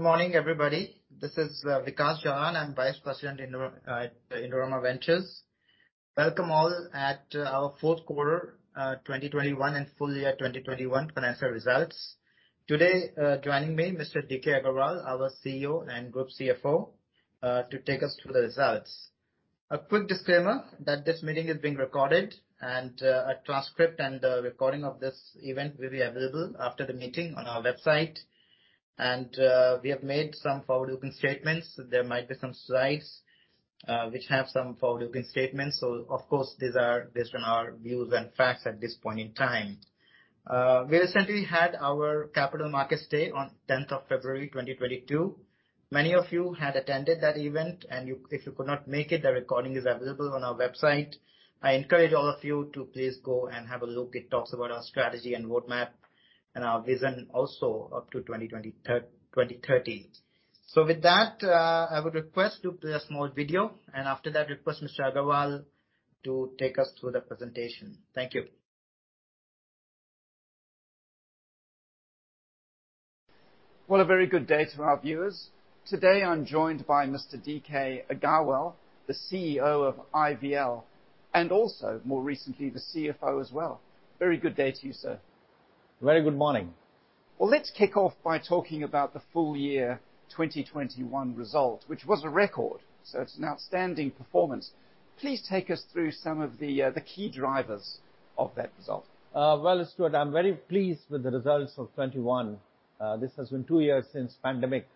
Good morning, everybody. This is Vikash Jalan. I'm Vice President at Indorama Ventures. Welcome all to our fourth quarter 2021 and full year 2021 financial results. Today, joining me, Mr. DK Agarwal, our CEO and Group CFO, to take us through the results. A quick disclaimer that this meeting is being recorded and a transcript and a recording of this event will be available after the meeting on our website. We have made some forward-looking statements. There might be some slides which have some forward-looking statements. Of course, these are based on our views and facts at this point in time. We recently had our capital markets day on 10th of February 2022. Many of you had attended that event. If you could not make it, the recording is available on our website. I encourage all of you to please go and have a look. It talks about our strategy and roadmap and our vision also up to 2030. With that, I would request to play a small video, and after that request Mr. Agarwal to take us through the presentation. Thank you. Well, a very good day to our viewers. Today I'm joined by Mr. D.K. Agarwal, the CEO of IVL, and also more recently, the CFO as well. Very good day to you, sir. Very good morning. Well, let's kick off by talking about the full year 2021 result, which was a record, so it's an outstanding performance. Please take us through some of the key drivers of that result. Well, Stuart, I'm very pleased with the results of 2021. This has been two years since pandemic.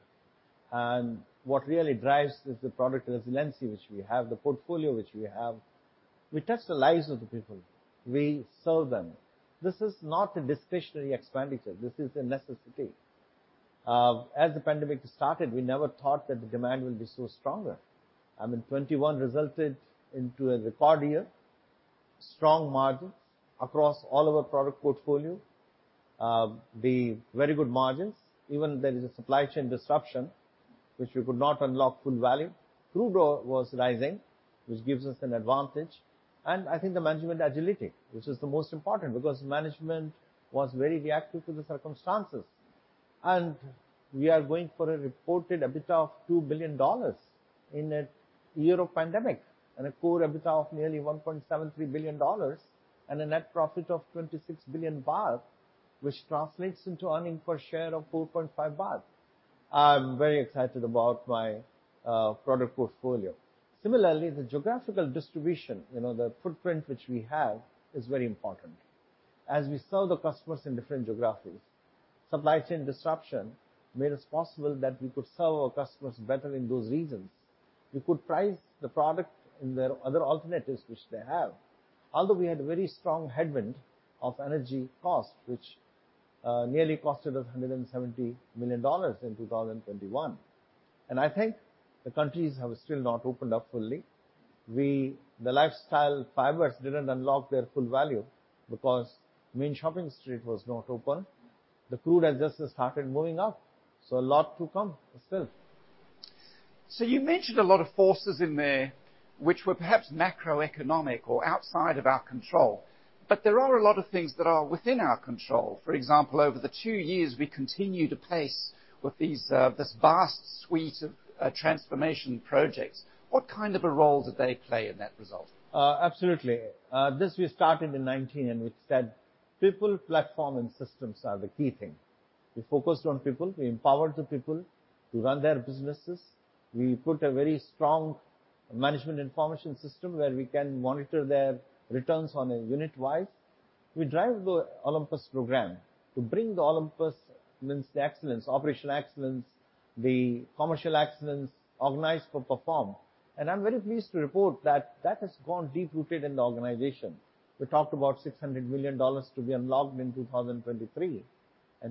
What really drives is the product resiliency which we have, the portfolio which we have. We touch the lives of the people. We serve them. This is not a discretionary expenditure, this is a necessity. As the pandemic started, we never thought that the demand will be so stronger. I mean, 2021 resulted into a record year. Strong margins across all our product portfolio. The very good margins, even there is a supply chain disruption which we could not unlock full value. Crude oil was rising, which gives us an advantage. I think the management agility, which is the most important, because management was very reactive to the circumstances. We are going for a reported EBITDA of $2 billion in a year of pandemic, and a core EBITDA of nearly $1.73 billion, and a net profit of 26 billion baht, which translates into earnings per share of 4.5 baht. I'm very excited about my product portfolio. Similarly, the geographical distribution, you know, the footprint which we have is very important. As we sell to customers in different geographies, supply chain disruptions made it possible that we could serve our customers better in those regions. We could price the product against their other alternatives which they have. Although we had a very strong headwind of energy cost, which nearly cost us $170 million in 2021. I think the countries have still not opened up fully. The lifestyle fibers didn't unlock their full value because main shopping street was not open. The crude has just started moving up, so a lot to come still. You mentioned a lot of forces in there which were perhaps macroeconomic or outside of our control, but there are a lot of things that are within our control. For example, over the two years, we continue to pace with this vast suite of transformation projects. What kind of a role did they play in that result? Absolutely. This we started in 2019, and we said people, platform, and systems are the key thing. We focused on people. We empowered the people to run their businesses. We put a very strong management information system where we can monitor their returns on a unit-wise. We drive the Project Olympus program to bring the Project Olympus means the excellence, operational excellence, the commercial excellence, Organize for Performance. I'm very pleased to report that has gone deep-rooted in the organization. We talked about $600 million to be unlocked in 2023.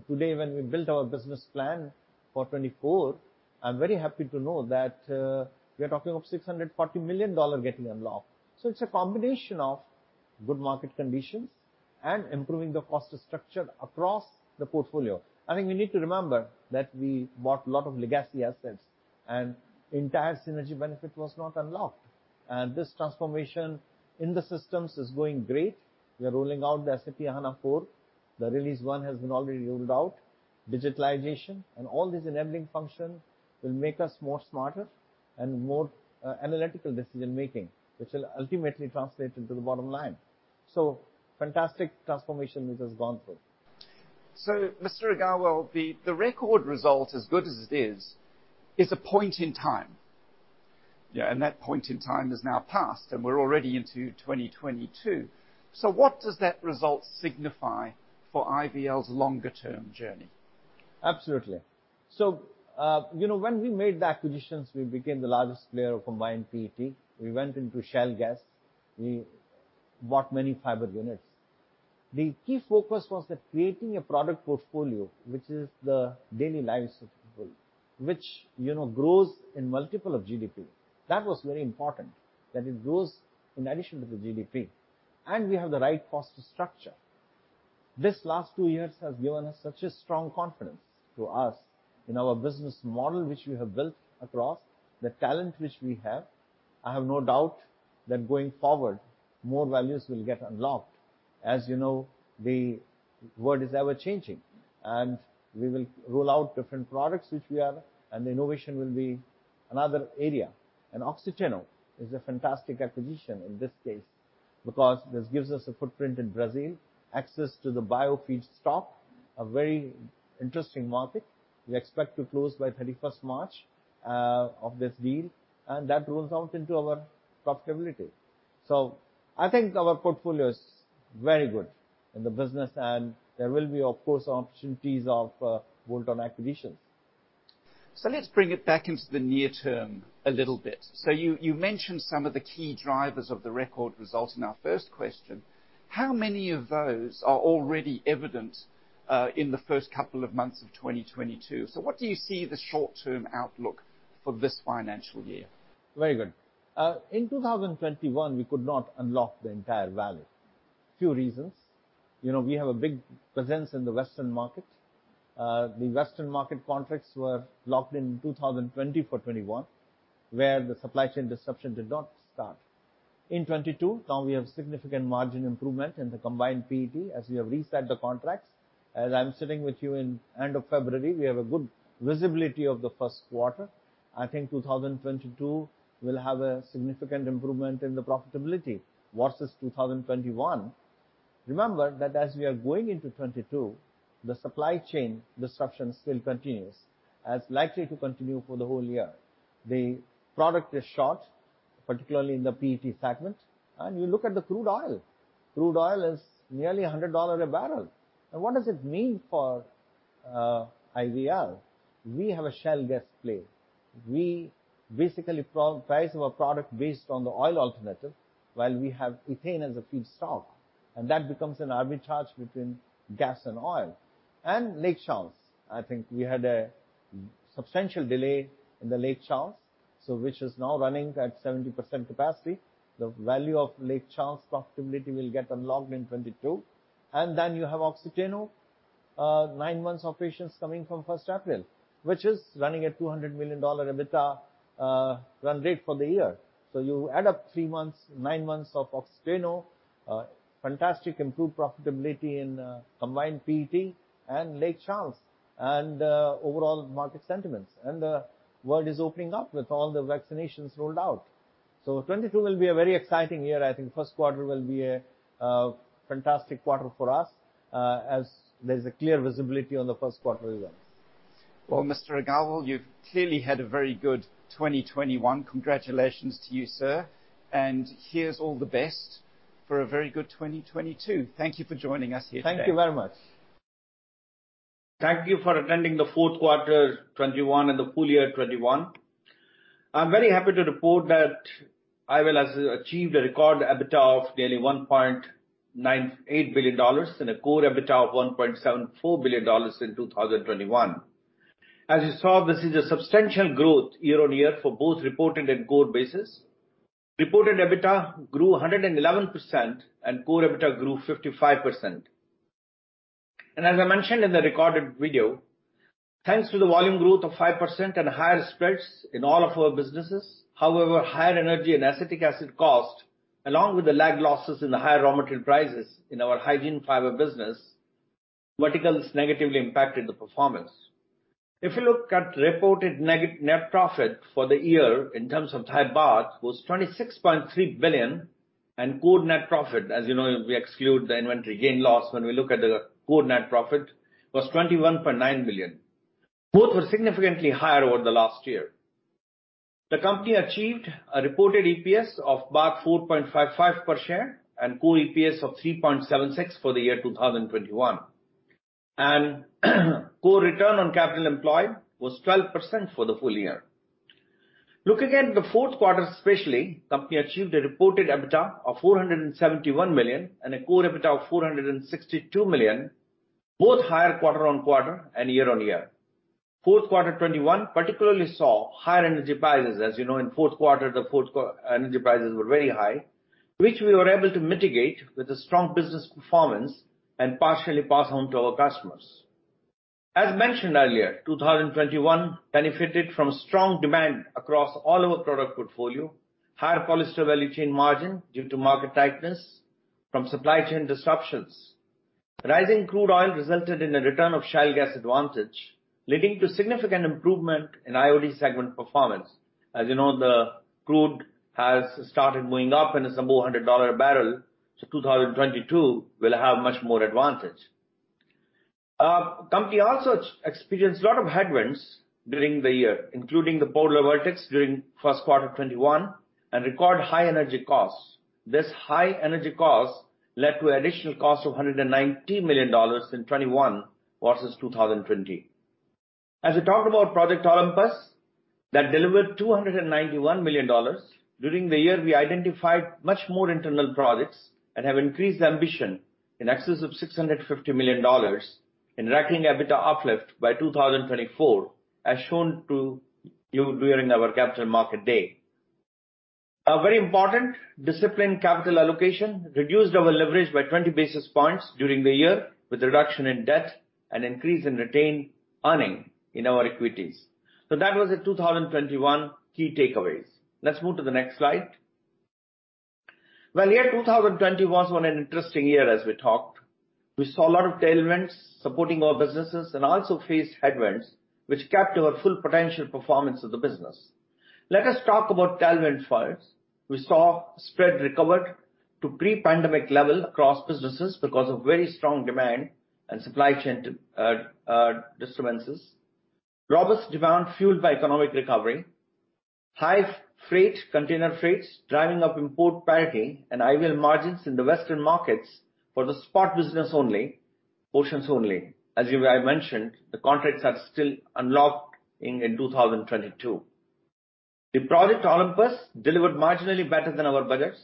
Today, when we built our business plan for 2024, I'm very happy to know that we are talking of $640 million getting unlocked. It's a combination of good market conditions and improving the cost structure across the portfolio. I think we need to remember that we bought a lot of legacy assets, and entire synergy benefit was not unlocked. This transformation in the systems is going great. We are rolling out the SAP S/4HANA. The release one has been already rolled out. Digitalization and all these enabling function will make us more smarter and more analytical decision-making, which will ultimately translate into the bottom line. Fantastic transformation which has gone through. Mr. Agarwal, the record result, as good as it is a point in time. Yeah. That point in time has now passed, and we're already into 2022. What does that result signify for IVL's longer-term journey? Absolutely. You know, when we made the acquisitions, we became the largest player of Combined PET. We went into shale gas. We bought many fiber units. The key focus was that creating a product portfolio, which is the daily lives of people, which, you know, grows in multiple of GDP. That was very important, that it grows in addition to the GDP. We have the right cost structure. This last two years has given us such a strong confidence to us in our business model, which we have built across, the talent which we have. I have no doubt that going forward, more values will get unlocked. As you know, the world is ever-changing, and we will roll out different products if we have, and innovation will be another area. Oxiteno is a fantastic acquisition in this case, because this gives us a footprint in Brazil, access to the bio-feedstock, a very interesting market. We expect to close by 31st March of this deal, and that rolls out into our profitability. I think our portfolio is very good in the business and there will be, of course, opportunities of bolt-on acquisitions. Let's bring it back into the near term a little bit. You mentioned some of the key drivers of the record results in our first question. How many of those are already evident in the first couple of months of 2022? What do you see the short-term outlook for this financial year? Very good. In 2021, we could not unlock the entire value. Few reasons. You know, we have a big presence in the Western market. The Western market contracts were locked in 2020 for 2021, where the supply chain disruption did not start. In 2022, now we have significant margin improvement in the Combined PET as we have reset the contracts. As I'm sitting with you at the end of February, we have a good visibility of the first quarter. I think 2022 will have a significant improvement in the profitability versus 2021. Remember that as we are going into 2022, the supply chain disruption still continues, as likely to continue for the whole year. The product is short, particularly in the PET segment. You look at the crude oil. Crude oil is nearly $100 a barrel. Now, what does it mean for IVL? We have a shale gas play. We basically price our product based on the oil alternative while we have ethane as a feedstock, and that becomes an arbitrage between gas and oil. Lake Charles, I think we had a substantial delay in the Lake Charles, so which is now running at 70% capacity. The value of Lake Charles profitability will get unlocked in 2022. You have Oxiteno, nine months operations coming from 1st April, which is running at $200 million EBITDA run rate for the year. You add up three months, nine months of Oxiteno, fantastic improved profitability in combined PET and Lake Charles and overall market sentiments. The world is opening up with all the vaccinations rolled out. 2022 will be a very exciting year. I think first quarter will be a fantastic quarter for us, as there's a clear visibility on the first quarter results. Well, Mr. Agarwal, you've clearly had a very good 2021. Congratulations to you, sir. Here's all the best for a very good 2022. Thank you for joining us here today. Thank you very much. Thank you for attending the fourth quarter 2021 and the full year 2021. I'm very happy to report that IVL has achieved a record EBITDA of nearly $1.98 billion and a core EBITDA of $1.74 billion in 2021. As you saw, this is a substantial growth year-on-year for both reported and core basis. Reported EBITDA grew 111% and core EBITDA grew 55%. As I mentioned in the recorded video, thanks to the volume growth of 5% and higher spreads in all of our businesses. However, higher energy and acetic acid cost, along with the lag losses in the higher raw material prices in our Hygiene Fibers business, verticals negatively impacted the performance. If you look at reported net profit for the year in terms of Thai baht was 26.3 billion and core net profit, as you know, we exclude the inventory gain loss when we look at the core net profit, was 21.9 billion. Both were significantly higher over the last year. The company achieved a reported EPS of 4.55 per share and core EPS of 3.76 for the year 2021. Core return on capital employed was 12% for the full year. Looking at the fourth quarter especially, company achieved a reported EBITDA of $471 million and a core EBITDA of $462 million, both higher quarter-on-quarter and year-on-year. Fourth quarter 2021 particularly saw higher energy prices. As you know, in fourth quarter, energy prices were very high, which we were able to mitigate with a strong business performance and partially pass on to our customers. As mentioned earlier, 2021 benefited from strong demand across all our product portfolio, higher polyester value chain margin due to market tightness from supply chain disruptions. Rising crude oil resulted in a return of shale gas advantage, leading to significant improvement in IOD segment performance. As you know, the crude has started going up and it's above $100 a barrel, so 2022 will have much more advantage. Company also experienced a lot of headwinds during the year, including the polar vortex during first quarter 2021 and record high energy costs. This high energy costs led to additional costs of $119 million in 2021 versus 2020. As I talked about Project Olympus, that delivered $291 million. During the year, we identified much more internal projects and have increased the ambition in excess of $650 million in recurring EBITDA uplift by 2024, as shown to you during our Capital Markets Day. A very important discipline, capital allocation, reduced our leverage by 20 basis points during the year with reduction in debt. Increase in retained earnings in our equities. That was the 2021 key takeaways. Let's move to the next slide. Well, 2020 was an interesting year as we talked. We saw a lot of tailwinds supporting our businesses and also faced headwinds which capped our full potential performance of the business. Let us talk about tailwinds first. We saw spread recovered to pre-pandemic level across businesses because of very strong demand and supply chain disturbances. Robust demand fueled by economic recovery. High freight, container freights, driving up import parity and IVL margins in the Western markets for the spot business only, portions only. As I mentioned, the contracts are still unlocked in 2022. The Project Olympus delivered marginally better than our budgets.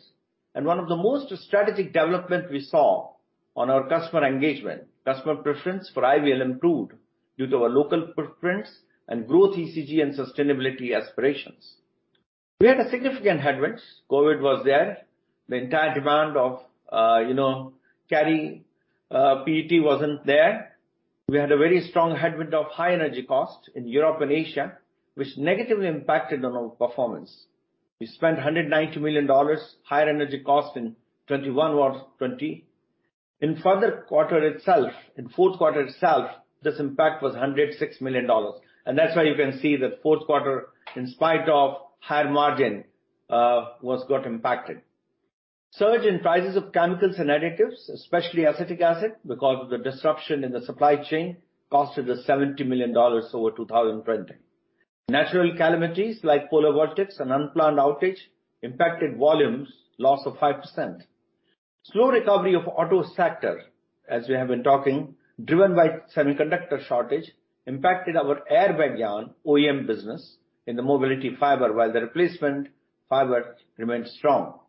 One of the most strategic development we saw on our customer engagement, customer preference for IVL improved due to our local footprints and growth ESG and sustainability aspirations. We had significant headwinds. COVID was there. The entire demand for PET wasn't there. We had a very strong headwind of high energy costs in Europe and Asia, which negatively impacted our performance. We spent $190 million higher energy costs in 2021 over 2020. In the fourth quarter itself, this impact was $106 million. That's why you can see that fourth quarter, in spite of higher margin, was got impacted. Surge in prices of chemicals and additives, especially acetic acid, because of the disruption in the supply chain, costed us $70 million over 2020. Natural calamities like polar vortex and unplanned outage impacted volumes, loss of 5%. Slow recovery of auto sector, as we have been talking, driven by semiconductor shortage, impacted our airbag yarn OEM business in the mobility fiber while the replacement fiber remained strong.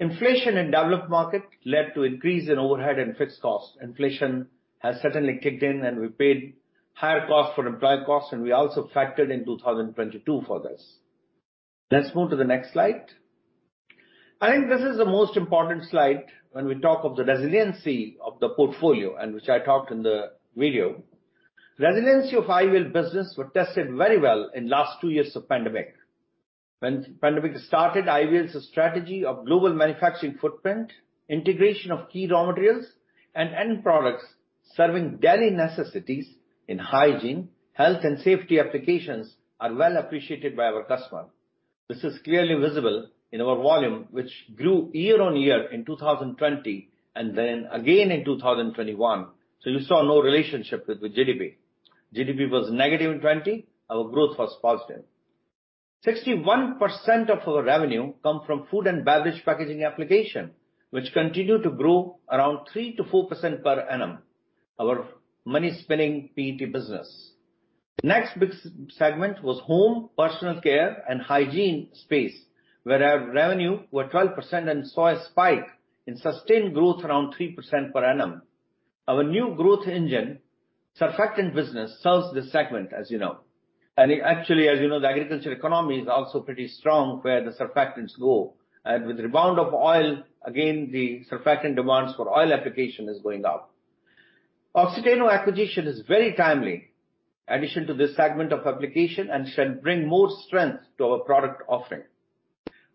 Inflation in developed market led to increase in overhead and fixed costs. Inflation has certainly kicked in, and we paid higher costs for employee costs, and we also factored in 2022 for this. Let's move to the next slide. I think this is the most important slide when we talk of the resiliency of the portfolio, and which I talked in the video. Resiliency of IVL business were tested very well in last two years of pandemic. When pandemic started, IVL's strategy of global manufacturing footprint, integration of key raw materials and end products serving daily necessities in hygiene, health and safety applications are well appreciated by our customer. This is clearly visible in our volume, which grew year-on-year in 2020, and then again in 2021. You saw no relationship with GDP. GDP was negative in 2020, our growth was positive. 61% of our revenue come from food and beverage packaging application, which continue to grow around 3%-4% per annum, our money-spinning PET business. Next big segment was home, personal care and hygiene space, where our revenue were 12% and saw a spike in sustained growth around 3% per annum. Our new growth engine, surfactant business, serves this segment, as you know. Actually, as you know, the agriculture economy is also pretty strong where the surfactants go. With rebound of oil, again, the surfactant demands for oil application is going up. Oxiteno acquisition is very timely addition to this segment of application and shall bring more strength to our product offering.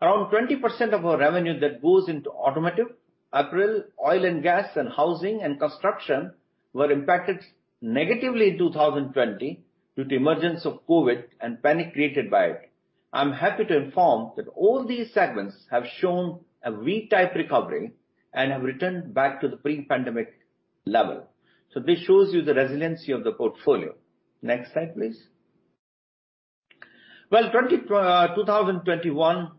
Around 20% of our revenue that goes into automotive, apparel, oil and gas, and housing and construction were impacted negatively in 2020 due to the emergence of COVID and panic created by it. I'm happy to inform that all these segments have shown a V-type recovery and have returned back to the pre-pandemic level. This shows you the resiliency of the portfolio. Next slide, please. 2021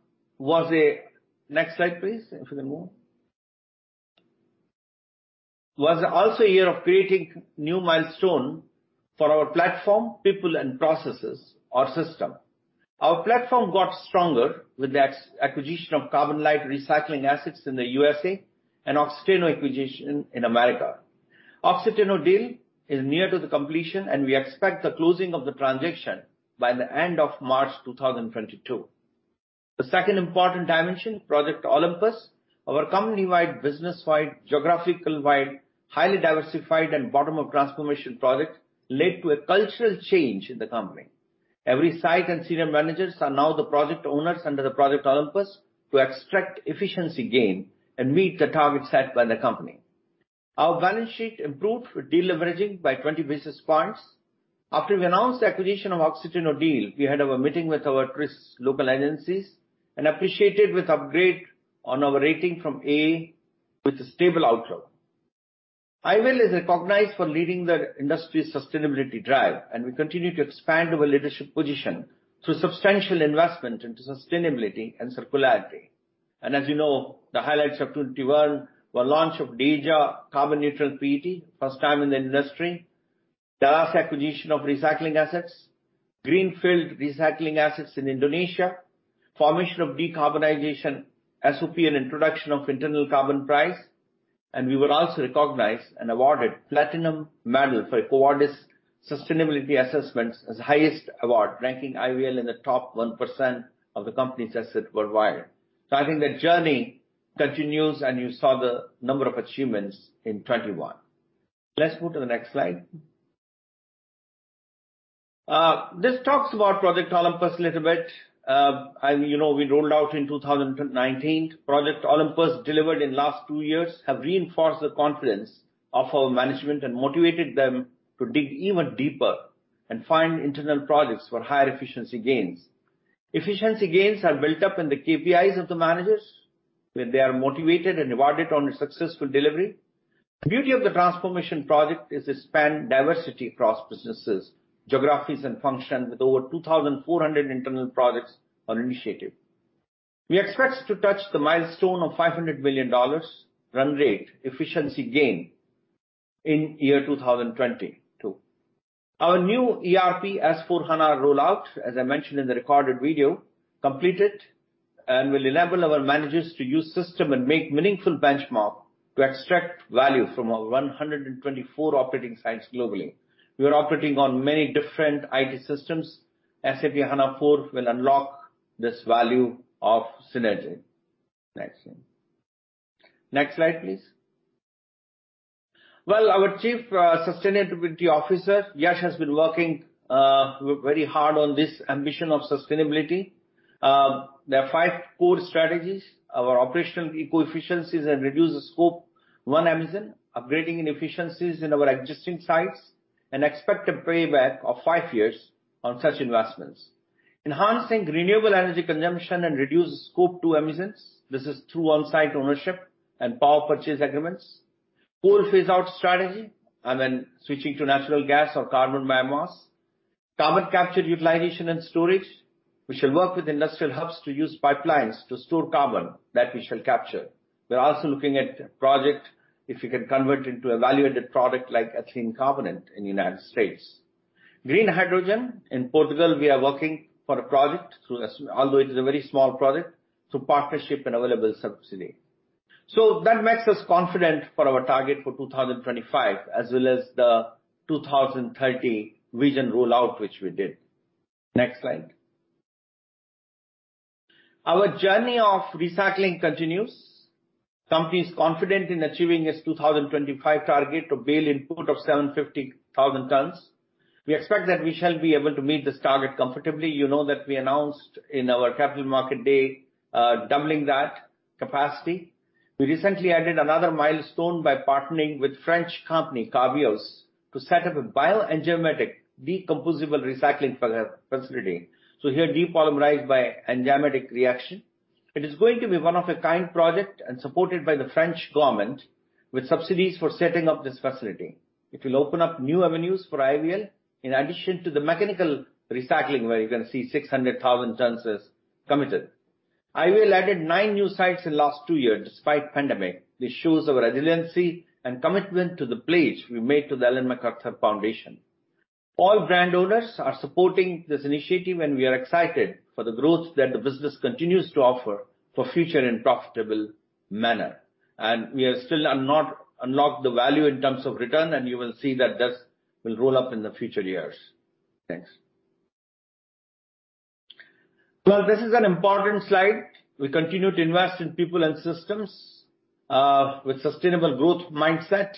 was also a year of creating new milestone for our platform, people and processes or system. Our platform got stronger with the acquisition of CarbonLite recycling assets in the USA and Oxiteno acquisition in America. Oxiteno deal is near to the completion, and we expect the closing of the transaction by the end of March 2022. The second important dimension, Project Olympus, our company-wide, business-wide, geographical-wide, highly diversified and bottom-up transformation project led to a cultural change in the company. Every site and senior managers are now the project owners under the Project Olympus to extract efficiency gain and meet the targets set by the company. Our balance sheet improved with deleveraging by 20 basis points. After we announced the acquisition of Oxiteno deal, we had our meeting with our trust local agencies and appreciated with upgrade on our rating from A with a stable outlook. IVL is recognized for leading the industry's sustainability drive, and we continue to expand our leadership position through substantial investment into sustainability and circularity. As you know, the highlights of 2021 were launch of Deja carbon neutral PET, first time in the industry. Dallas acquisition of recycling assets. Green field recycling assets in Indonesia. Formation of decarbonization SOP and introduction of internal carbon price. We were also recognized and awarded platinum medal for EcoVadis sustainability assessments as highest award, ranking IVL in the top 1% of the companies assessed worldwide. I think the journey continues, and you saw the number of achievements in 2021. Let's move to the next slide. This talks about Project Olympus a little bit. You know, we rolled out in 2019. Project Olympus delivered in last two years have reinforced the confidence of our management and motivated them to dig even deeper and find internal projects for higher efficiency gains. Efficiency gains are built up in the KPIs of the managers, where they are motivated and rewarded on a successful delivery. The beauty of the transformation project is it spans diversity across businesses, geographies, and functions with over 2,400 internal projects or initiatives. We expect to touch the milestone of $500 million run rate efficiency gain in year 2022. Our new SAP S/4HANA rollout, as I mentioned in the recorded video, completed and will enable our managers to use system and make meaningful benchmarks to extract value from our 124 operating sites globally. We are operating on many different IT systems. SAP S/4HANA will unlock this value of synergy. Next slide. Next slide, please. Well, our Chief Sustainability Officer, Yash, has been working very hard on this ambition of sustainability. There are five core strategies. Our operational eco-efficiencies and reduce scope one emissions, upgrading inefficiencies in our existing sites and expect a payback of five years on such investments. Enhancing renewable energy consumption and reduce scope two emissions. This is through on-site ownership and power purchase agreements. Coal phase out strategy, and then switching to natural gas or carbon biomass. Carbon capture utilization and storage. We shall work with industrial hubs to use pipelines to store carbon that we shall capture. We're also looking at a project if we can convert into a value-added product like ethylene carbonate in the United States. Green hydrogen. In Portugal, we are working for a project through subsidy although it is a very small project, through partnership and available subsidy. That makes us confident for our target for 2025 as well as the 2030 vision rollout, which we did. Next slide. Our journey of recycling continues. The company is confident in achieving its 2025 target of bale input of 750,000 tons. We expect that we shall be able to meet this target comfortably. You know that we announced in our capital market day, doubling that capacity. We recently added another milestone by partnering with French company, Carbios, to set up a bio-enzymatic decomposable recycling facility. Here depolymerized by enzymatic reaction. It is going to be one of a kind project and supported by the French government with subsidies for setting up this facility. It will open up new avenues for IVL in addition to the mechanical recycling, where you're gonna see 600,000 tons is committed. IVL added nine new sites in the last two years despite pandemic. This shows our resiliency and commitment to the pledge we made to the Ellen MacArthur Foundation. All brand owners are supporting this initiative, and we are excited for the growth that the business continues to offer for future in profitable manner. We are still not unlocked the value in terms of return, and you will see that this will roll up in the future years. Thanks. Well, this is an important slide. We continue to invest in people and systems with sustainable growth mindset.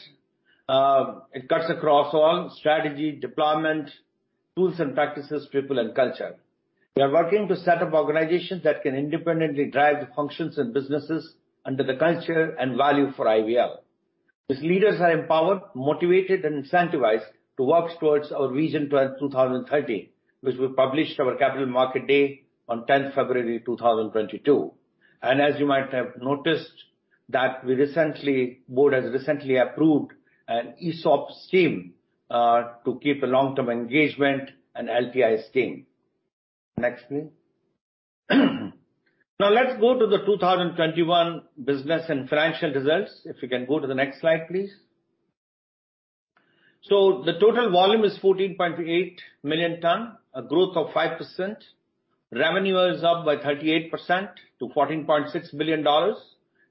It cuts across all strategy, deployment, tools and practices, people and culture. We are working to set up organizations that can independently drive the functions and businesses under the culture and value for IVL. These leaders are empowered, motivated, and incentivized to work towards our vision to our 2030, which we published our capital market day on 10 February 2022. As you might have noticed that the board has recently approved an ESOP scheme to keep a long-term engagement and LTI scheme. Next please. Now let's go to the 2021 business and financial results. If we can go to the next slide, please. The total volume is 14.8 million tons, a growth of 5%. Revenue is up by 38% to $14.6 billion.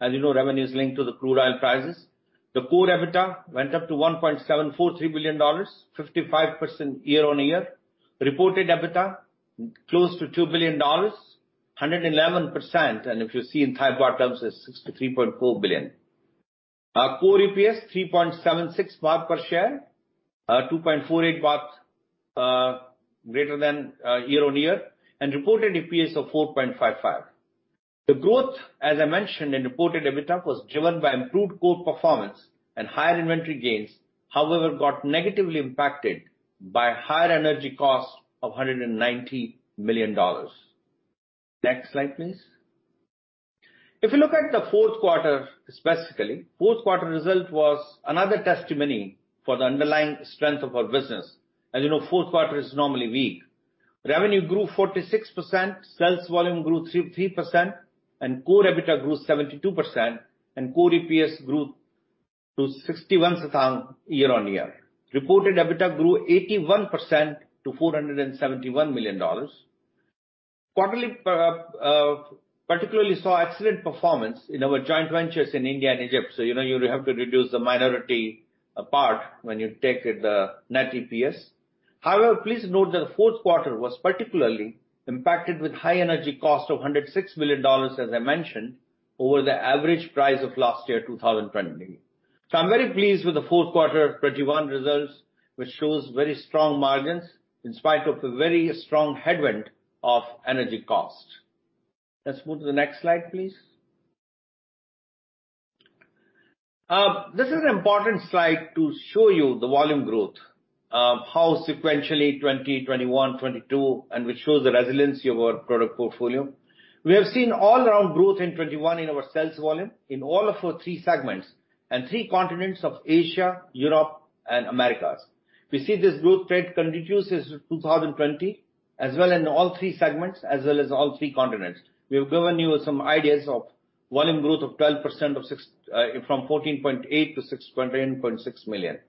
As you know, revenue is linked to the crude oil prices. The core EBITDA went up to $1.743 billion, 55% year-on-year. Reported EBITDA close to $2 billion, 111%, and if you see in Thai baht terms is 63.4 billion. Our core EPS 3.76 baht per share. 2.48 baht greater year-on-year, and reported EPS of 4.55. The growth, as I mentioned in reported EBITDA, was driven by improved core performance and higher inventory gains, however, got negatively impacted by higher energy costs of $190 million. Next slide, please. If you look at the fourth quarter, specifically, fourth quarter result was another testimony for the underlying strength of our business. As you know, fourth quarter is normally weak. Revenue grew 46%, sales volume grew 33%, and core EBITDA grew 72%, and core EPS grew to 61 satang year on year. Reported EBITDA grew 81% to $471 million. Quarterly particularly saw excellent performance in our joint ventures in India and Egypt. You know you have to reduce the minority part when you take the net EPS. However, please note that the fourth quarter was particularly impacted with high energy cost of $106 million, as I mentioned, over the average price of last year, 2020. I'm very pleased with the fourth quarter 2021 results, which shows very strong margins in spite of a very strong headwind of energy cost. Let's move to the next slide, please. This is an important slide to show you the volume growth, how sequentially 2020, 2021, 2022, and which shows the resiliency of our product portfolio. We have seen all around growth in 2021 in our sales volume in all of our three segments and three continents of Asia, Europe, and Americas. We see this growth trend continues since 2020, as well in all three segments, as well as all three continents. We have given you some ideas of volume growth of 12% from 14.8 million-16.6 million.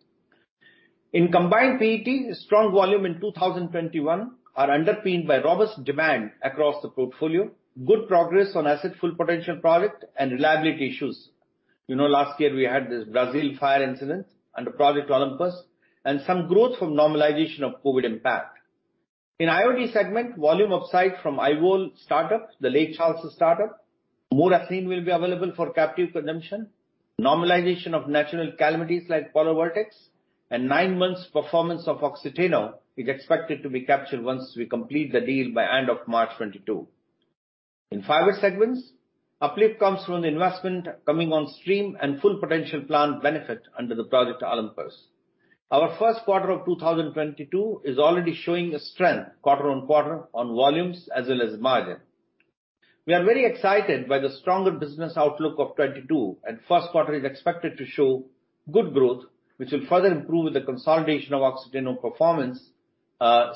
In Combined PET, strong volume in 2021 are underpinned by robust demand across the portfolio, good progress on asset Full Potential project and reliability issues. You know, last year we had this Brazil fire incident under Project Olympus and some growth from normalization of COVID impact. In IOD segment, volume upside from IVOL startup, the Lake Charles startup. More ethylene will be available for captive consumption. Normalization of natural calamities like polar vortex and nine months performance of Oxiteno is expected to be captured once we complete the deal by end of March 2022. In Fiber segments, uplift comes from the investment coming on stream and Full Potential plant benefit under the Project Olympus. Our first quarter of 2022 is already showing strong quarter-on-quarter on volumes as well as margin. We are very excited by the stronger business outlook of 2022, first quarter is expected to show good growth, which will further improve with the consolidation of Oxiteno performance,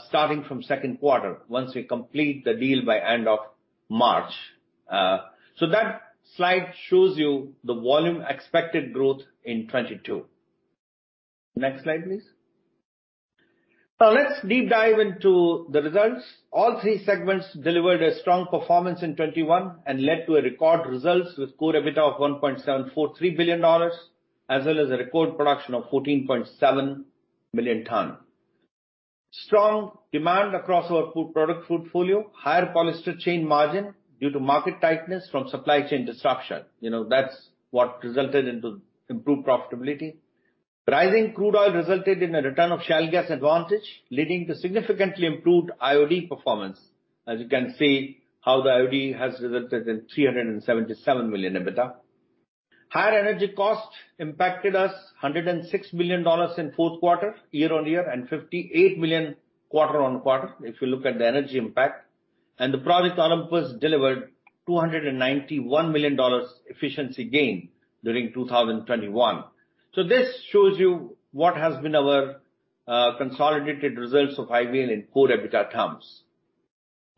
starting from second quarter once we complete the deal by end of March. That slide shows you the expected volume growth in 2022. Next slide, please. Now let's deep dive into the results. All three segments delivered a strong performance in 2021 and led to record results with core EBITDA of $1.743 billion, as well as a record production of 14.7 million tons. Strong demand across our broad product portfolio. Higher polyester chain margin due to market tightness from supply chain disruption. You know, that's what resulted into improved profitability. Rising crude oil resulted in a return of shale gas advantage, leading to significantly improved IOD performance. As you can see how the IOD has resulted in $377 million EBITDA. Higher energy cost impacted us $106 million in fourth quarter, year-on-year, and $58 million quarter-on-quarter, if you look at the energy impact. The Project Olympus delivered $291 million efficiency gain during 2021. This shows you what has been our consolidated results of IVL in core EBITDA terms.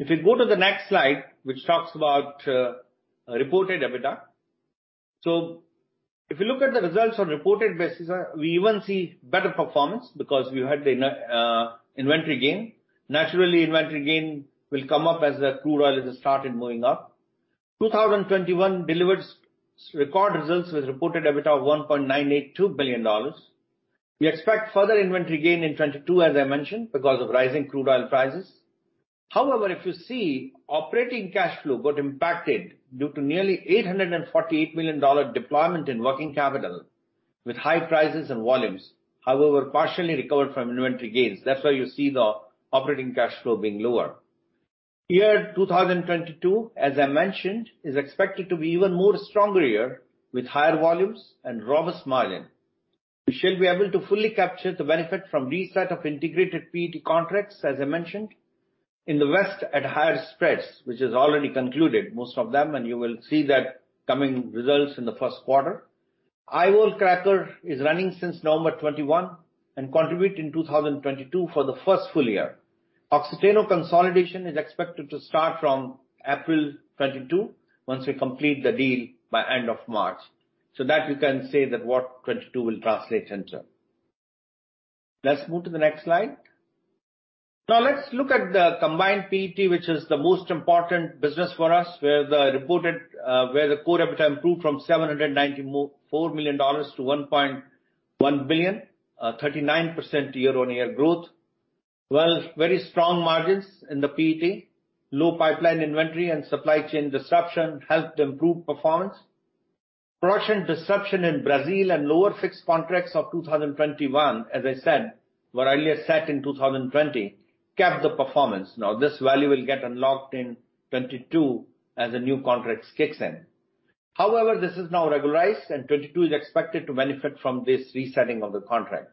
If you go to the next slide, which talks about reported EBITDA. If you look at the results on reported basis, we even see better performance because we had the inventory gain. Naturally, inventory gain will come up as the crude oil has started moving up. 2021 delivered record results with reported EBITDA of $1.982 billion. We expect further inventory gain in 2022, as I mentioned, because of rising crude oil prices. However, if you see operating cash flow got impacted due to nearly $848 million deployment in working capital with high prices and volumes, however, partially recovered from inventory gains. That's why you see the operating cash flow being lower. Year 2022, as I mentioned, is expected to be even more stronger year with higher volumes and robust margin. We shall be able to fully capture the benefit from reset of integrated PET contracts, as I mentioned, in the West at higher spreads, which is already concluded, most of them, and you will see that coming results in the first quarter. IVOL cracker is running since November 2021 and contribute in 2022 for the first full year. Oxiteno consolidation is expected to start from April 2022, once we complete the deal by end of March. That you can say that what 2022 will translate into. Let's move to the next slide. Now let's look at the Combined PET, which is the most important business for us, where the core EBITDA improved from $794 million-$1.1 billion, 39% year-on-year growth. Well, very strong margins in the PET. Low pipeline inventory and supply chain disruption helped improve performance. Production disruption in Brazil and lower fixed contracts of 2021, as I said, were earlier set in 2020, capped the performance. Now this value will get unlocked in 2022 as the new contracts kicks in. However, this is now regularized, and 2022 is expected to benefit from this resetting of the contract.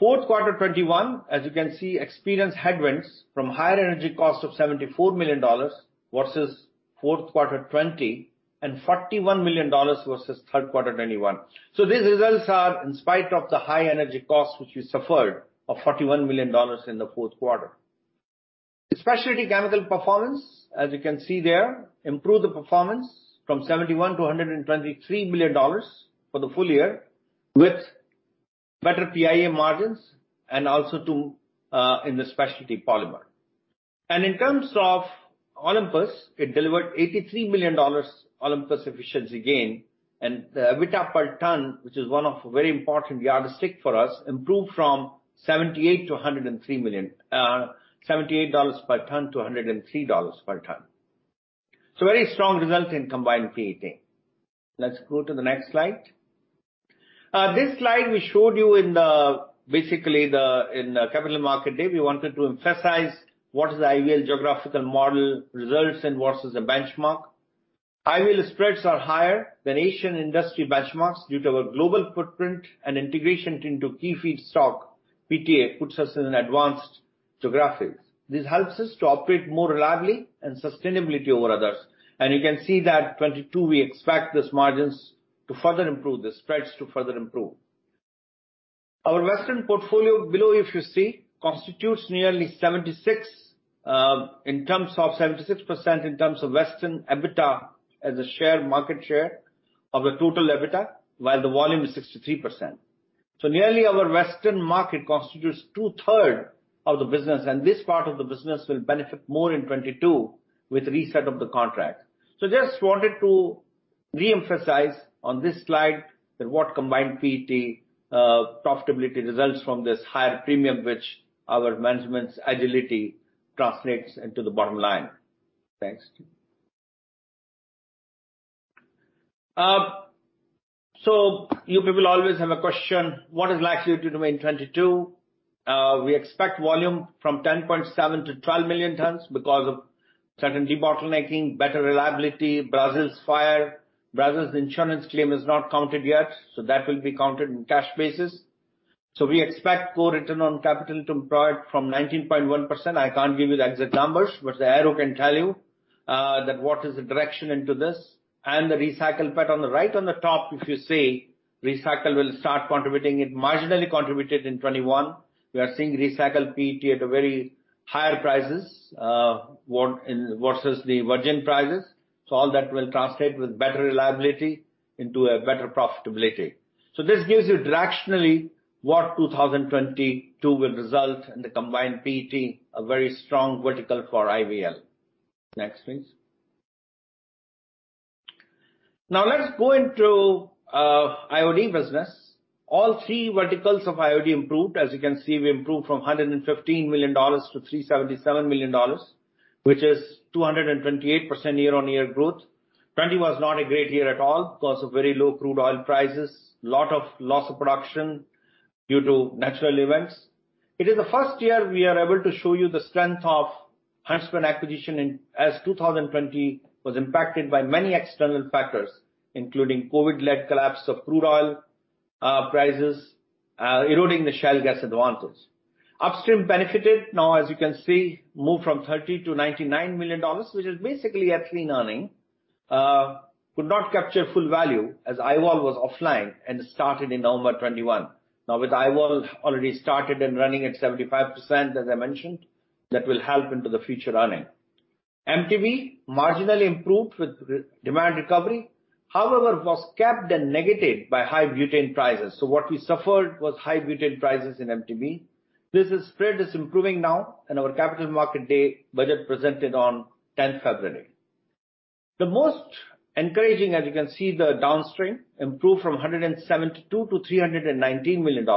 Fourth quarter 2021, as you can see, experienced headwinds from higher energy cost of $74 million versus fourth quarter 2020 and $41 million versus third quarter 2021. These results are in spite of the high energy cost which we suffered of $41 million in the fourth quarter. Specialty chemical performance, as you can see there, improved the performance from $71 million to $123 million for the full year with better PIA margins and also to in the specialty polymer. In terms of Olympus, it delivered $83 million Olympus efficiency gain. The EBITDA per ton, which is one of very important yardstick for us, improved from $78 per ton to $103 per ton. Very strong result in Combined PET. Let's go to the next slide. This slide we showed you in the capital market day. We wanted to emphasize what is the ideal geographical model results and versus the benchmark. Ideal spreads are higher than Asian industry benchmarks due to our global footprint and integration into key feedstock, PTA, puts us in advanced geographies. This helps us to operate more reliably and sustainably over others. You can see that in 2022, we expect these margins to further improve, the spreads to further improve. Our Western portfolio below, if you see, constitutes nearly 76% in terms of Western EBITDA as a share of the total EBITDA, while the volume is 63%. Nearly our Western market constitutes two-thirds of the business, and this part of the business will benefit more in 2022 with reset of the contract. Just wanted to re-emphasize on this slide that what Combined PET profitability results from this higher premium which our management's agility translates into the bottom line. Thanks. You people always have a question, what is likely to do in 2022? We expect volume from 10.7-12 million tons because of certain debottlenecking, better reliability. Brazil's fire. Brazil's insurance claim is not counted yet, so that will be counted in cash basis. We expect core return on capital to improve from 19.1%. I can't give you the exact numbers, but the arrow can tell you that what is the direction into this. The recycle PET on the right on the top, if you see, recycle will start contributing. It marginally contributed in 2021. We are seeing recycled PET at very higher prices versus the virgin prices. All that will translate with better reliability into a better profitability. This gives you directionally what 2022 will result in the combined PET, a very strong vertical for IVL. Next, please. Now let's go into IOD business. All three verticals of IOD improved. As you can see, we improved from $115 million-$377 million, which is 228% year-on-year growth. 2020 was not a great year at all because of very low crude oil prices, lot of loss of production due to natural events. It is the first year we are able to show you the strength of Huntsman acquisition in as 2020 was impacted by many external factors, including Covid-led collapse of crude oil prices eroding the shale gas advantage. Upstream benefited. Now, as you can see, moved from $30 million-$99 million, which is basically ethylene earning. Could not capture full value as IVOL was offline and started in November 2021. Now, with IVOL already started and running at 75%, as I mentioned, that will help into the future earning. MTBE marginally improved with demand recovery, however, was capped and negative by high butane prices. What we suffered was high butane prices in MTBE. This spread is improving now in our capital market day budget presented on February 10. The most encouraging, as you can see, the downstream improved from $172 million-$319 million.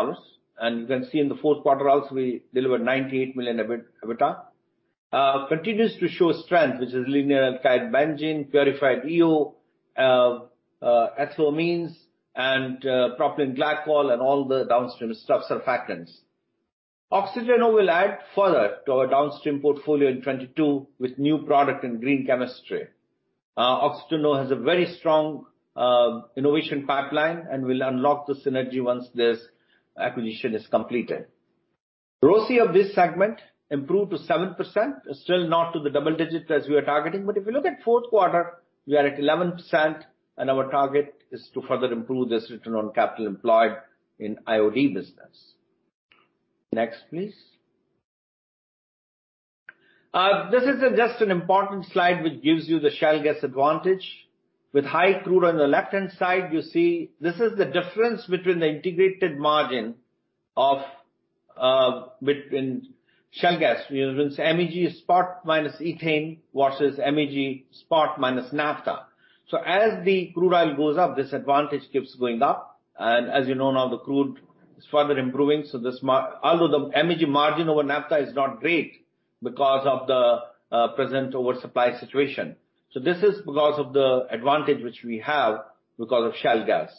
You can see in the fourth quarter also, we delivered $98 million EBITDA. Continues to show strength, which is linear alkyl benzene, purified EO, ethylamines, and propylene glycol and all the downstream stuff, surfactants. Oxiteno will add further to our downstream portfolio in 2022 with new product in green chemistry. Oxiteno has a very strong innovation pipeline and will unlock the synergy once this acquisition is completed. ROCE of this segment improved to 7%. Still not to the double digit as we are targeting, but if you look at fourth quarter, we are at 11%, and our target is to further improve this return on capital employed in IOD business. Next, please. This is just an important slide which gives you the shale gas advantage. With high crude on the left-hand side, you see this is the difference between the integrated margin between shale gas. You know, it's MEG spot minus ethane versus MEG spot minus naphtha. So as the crude oil goes up, this advantage keeps going up. As you know now, the crude is further improving. Although the MEG margin over naphtha is not great because of the present oversupply situation. This is because of the advantage which we have because of shale gas.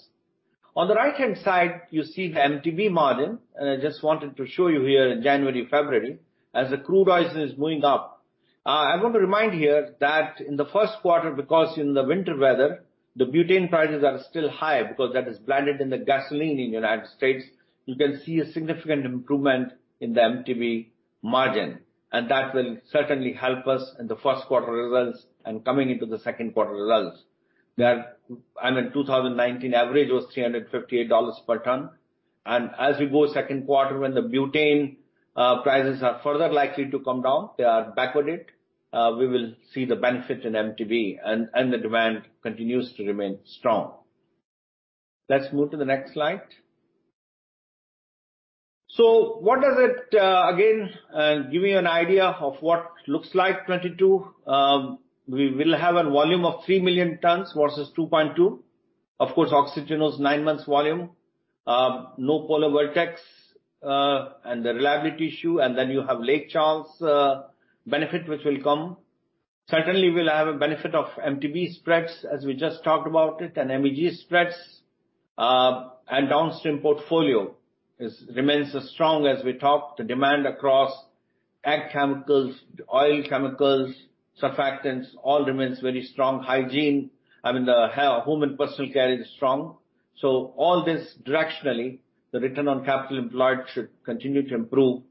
On the right-hand side, you see the MTBE margin. I just wanted to show you here in January, February, as the crude oil is moving up. I want to remind here that in the first quarter, because in the winter weather, the butane prices are still high because that is blended in the gasoline in United States. You can see a significant improvement in the MTBE margin, and that will certainly help us in the first quarter results and coming into the second quarter results. There, I mean, 2019 average was $358 per ton. As we go second quarter, when the butane prices are further likely to come down, they are backwardated, we will see the benefit in MTBE and the demand continues to remain strong. Let's move to the next slide. What does it give me an idea of what looks like 2022. We will have a volume of 3 million tons versus 2.2. Of course, Oxiteno's nine months volume. No polar vortex and the reliability issue, and then you have Lake Charles benefit, which will come. Certainly, we'll have a benefit of MTBE spreads as we just talked about it, and MEG spreads, and downstream portfolio remains as strong as we talked. The demand across ag chemicals, oleo chemicals, surfactants, all remains very strong. Hygiene, I mean, the home and personal care is strong. All this directionally, the return on capital employed should continue to improve,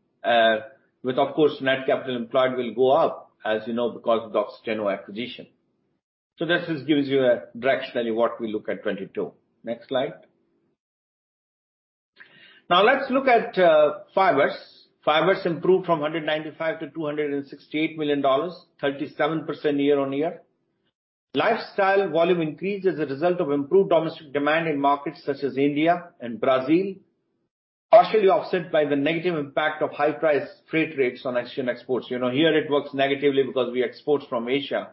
with of course, net capital employed will go up as you know, because of the Oxiteno acquisition. This just gives you a directionally what we look at 2022. Next slide. Now, let's look at fibers. Fibers improved from $195 million-$268 million, 37% year-on-year. Lifestyle volume increased as a result of improved domestic demand in markets such as India and Brazil, partially offset by the negative impact of high price freight rates on Asian exports. You know, here it works negatively because we export from Asia,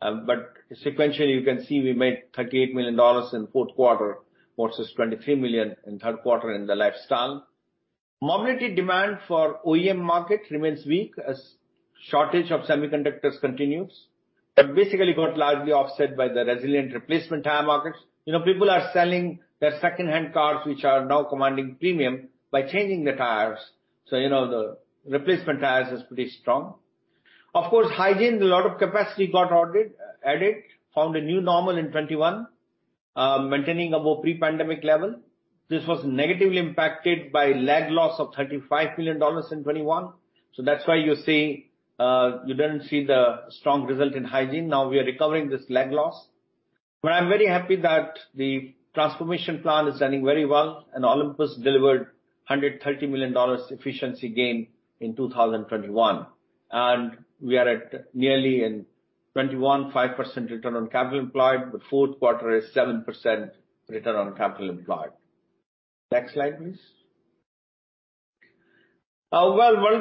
but sequentially, you can see we made $38 million in fourth quarter versus $23 million in third quarter in the Lifestyle. Mobility demand for OEM market remains weak as shortage of semiconductors continues. That basically got largely offset by the resilient replacement tire markets. You know, people are selling their second-hand cars, which are now commanding premium by changing the tires, so you know, the replacement tires is pretty strong. Of course, Hygiene, a lot of capacity got ordered and added, found a new normal in 2021, maintaining above pre-pandemic level. This was negatively impacted by lag loss of $35 million in 2021. That's why you see, you didn't see the strong result in Hygiene. Now we are recovering this lag loss. I'm very happy that the transformation plan is running very well, and Olympus delivered $130 million efficiency gain in 2021. We are at nearly 5% return on capital employed in 2021. The fourth quarter is 7% return on capital employed. Next slide, please. Well,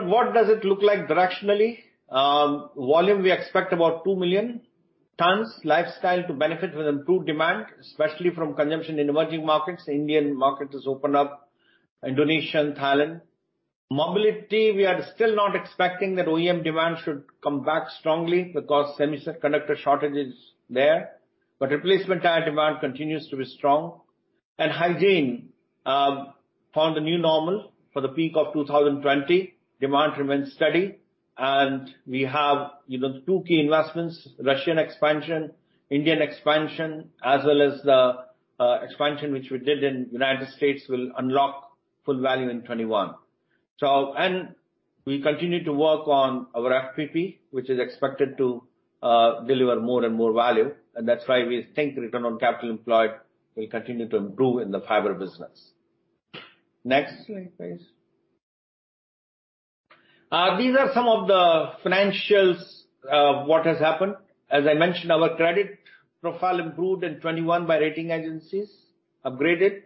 what does it look like directionally? Volume, we expect about 2 million tons. Lifestyle to benefit with improved demand, especially from consumption in emerging markets. Indian market is opening up, Indonesia, Thailand. Mobility, we are still not expecting that OEM demand should come back strongly because semiconductor shortage is there, but replacement tire demand continues to be strong. Hygiene found a new normal for the peak of 2020. Demand remains steady. We have, you know, the two key investments, Russian expansion, Indian expansion, as well as the expansion which we did in United States will unlock full value in 2021. We continue to work on our FPP, which is expected to deliver more and more value. That's why we think return on capital employed will continue to improve in the fiber business. Next slide, please. These are some of the financials, what has happened. As I mentioned, our credit profile improved in 2021 by rating agencies, upgraded.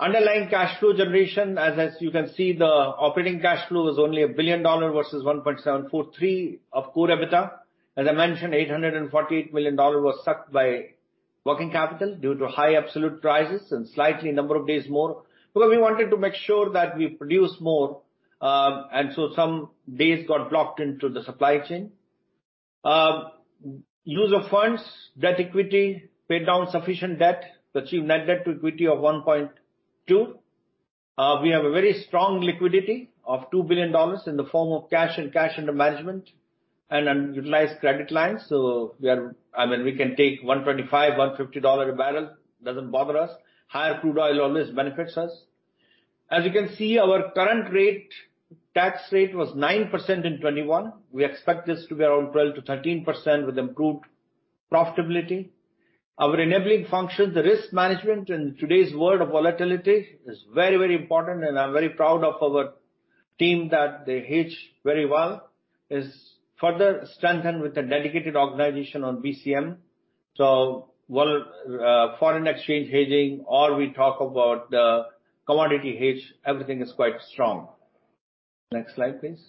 Underlying cash flow generation, as you can see, the operating cash flow was only $1 billion versus 1.743 of core EBITDA. As I mentioned, $848 million was sucked by working capital due to high absolute prices and slightly higher number of days more. Because we wanted to make sure that we produce more, and so some days got blocked into the supply chain. Use of funds, debt equity, paid down sufficient debt to achieve net debt to equity of 1.2. We have a very strong liquidity of $2 billion in the form of cash and cash under management and unutilized credit lines. I mean, we can take $125-$150 a barrel, doesn't bother us. Higher crude oil always benefits us. As you can see, our current tax rate was 9% in 2021. We expect this to be around 12%-13% with improved profitability. Our enabling functions, the risk management in today's world of volatility is very, very important, and I'm very proud of our team that they hedge very well. It is further strengthened with a dedicated organization on BCM. While foreign exchange hedging or we talk about the commodity hedge, everything is quite strong. Next slide, please.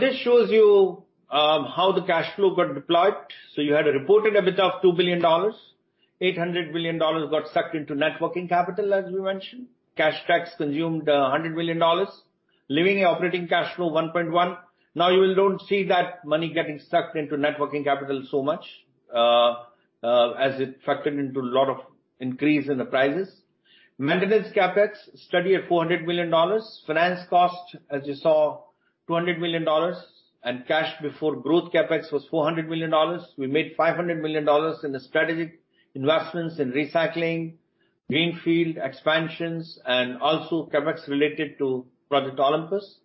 This shows you how the cash flow got deployed. You had a reported EBITDA of $2 billion. $800 million got sucked into net working capital, as we mentioned. Cash tax consumed $100 million, leaving operating cash flow $1.1 billion. Now you will don't see that money getting sucked into net working capital so much, as it factored into a lot of increase in the prices. Maintenance CapEx, steady at $400 million. Finance cost, as you saw, $200 million. Cash before growth CapEx was $400 million. We made $500 million in the strategic investments in recycling, greenfield expansions and also CapEx related to Project Olympus.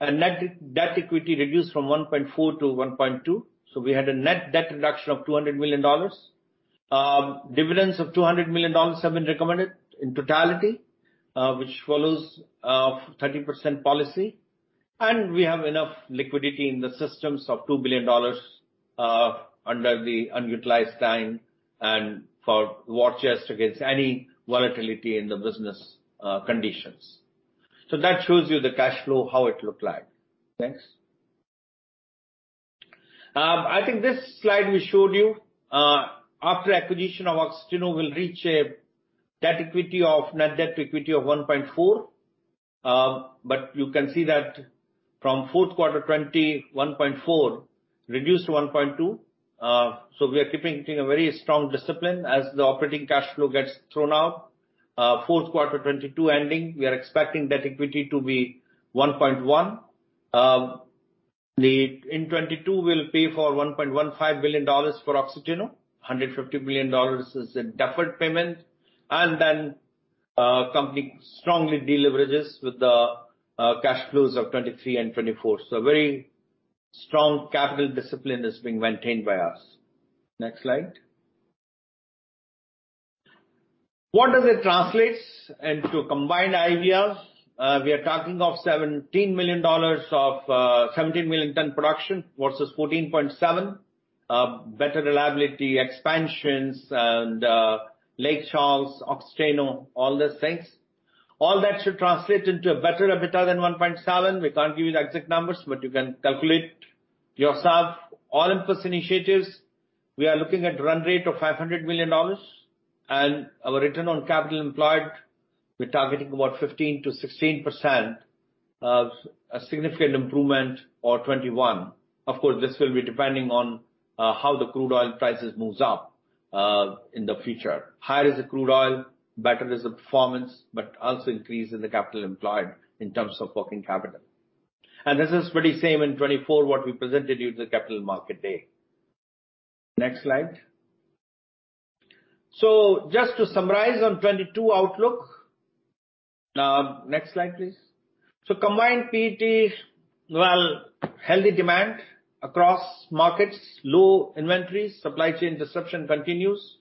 Net debt equity reduced from 1.4 to 1.2. We had a net debt reduction of $200 million. Dividends of $200 million have been recommended in totality, which follows 30% policy. We have enough liquidity in the systems of $2 billion under the unutilized line and for war chest against any volatility in the business conditions. That shows you the cash flow, how it looked like. Next. I think this slide we showed you after acquisition of Oxiteno, we'll reach a net debt to equity of 1.4. You can see that from fourth quarter 2020, 1.4 reduced to 1.2. We are keeping a very strong discipline as the operating cash flow gets thrown off. Fourth quarter 2022 ending, we are expecting net debt to equity to be 1.1. In 2022, we'll pay $1.15 billion for Oxiteno. $150 million is in deferred payment. Company strongly deleverages with the cash flows of 2023 and 2024. A very strong capital discipline is being maintained by us. Next slide. What does it translate into Combined PET? We are talking of 17 million ton production versus 14.7. Better reliability, expansions and Lake Charles, Oxiteno, all these things. All that should translate into a better EBITDA than 1.7. We can't give you the exact numbers, but you can calculate yourself. Olympus initiatives, we are looking at run rate of $500 million. Our return on capital employed, we're targeting about 15%-16% of a significant improvement over 2021. Of course, this will be depending on how the crude oil prices moves up in the future. higher the crude oil, better is the performance, but also increase in the capital employed in terms of working capital. This is pretty same in 2024, what we presented you in the capital market day. Next slide. Just to summarize on 2022 outlook. Next slide, please. Combined PET, well, healthy demand across markets, low inventories, supply chain disruption continues.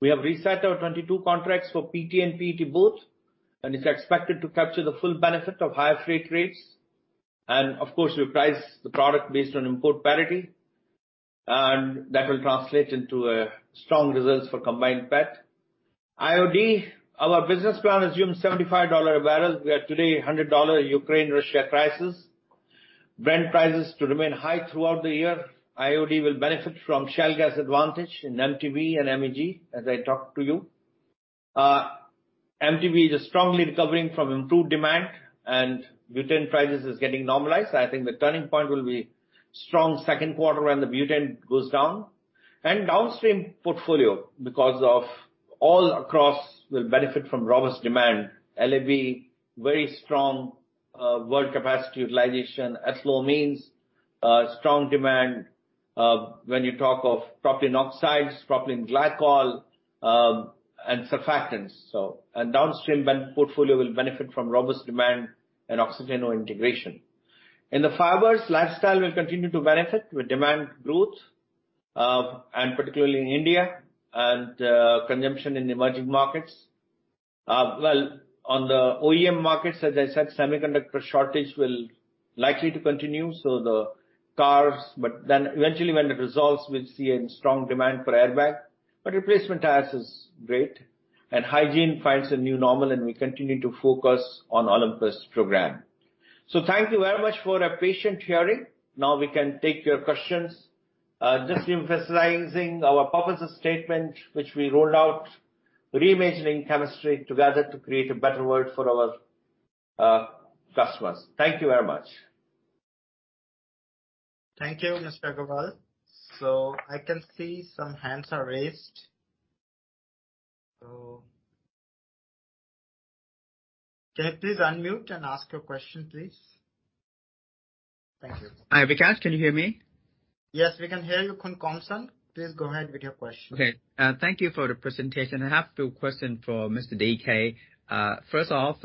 We have reset our 2022 contracts for PTA and PET both, and it's expected to capture the full benefit of higher freight rates. Of course, we price the product based on import parity, and that will translate into strong results for Combined PET. IOD, our business plan assumes $75 a barrel. We are today at $100 Ukraine-Russia crisis. Brent prices to remain high throughout the year. IOD will benefit from shale gas advantage in MTBE and MEG, as I talked to you. MTBE is strongly recovering from improved demand and butane prices is getting normalized. I think the turning point will be strong second quarter when the butane goes down. Downstream portfolio, because of alcohols, will benefit from robust demand. LAB, very strong, world capacity utilization. Ethylene margins, strong demand, when you talk of propylene oxides, propylene glycol, and surfactants. Downstream portfolio will benefit from robust demand and Oxiteno integration. In the fibers, lifestyle will continue to benefit with demand growth, and particularly in India and consumption in emerging markets. On the OEM markets, as I said, semiconductor shortage will likely to continue, so the cars. Then eventually when it resolves, we'll see a strong demand for airbag. Replacement tires is great. Hygiene fibers find a new normal, and we continue to focus on Project Olympus program. Thank you very much for a patient hearing. Now we can take your questions. Just emphasizing our purpose statement, which we rolled out, reimagining chemistry together to create a better world for our customers. Thank you very much. Thank you, Mr. Agarwal. I can see some hands are raised. Can you please unmute and ask your question, please? Thank you. Hi, Vikash. Can you hear me? Yes, we can hear you, Komsun. Please go ahead with your question. Okay. Thank you for the presentation. I have two question for Mr. DK. First off,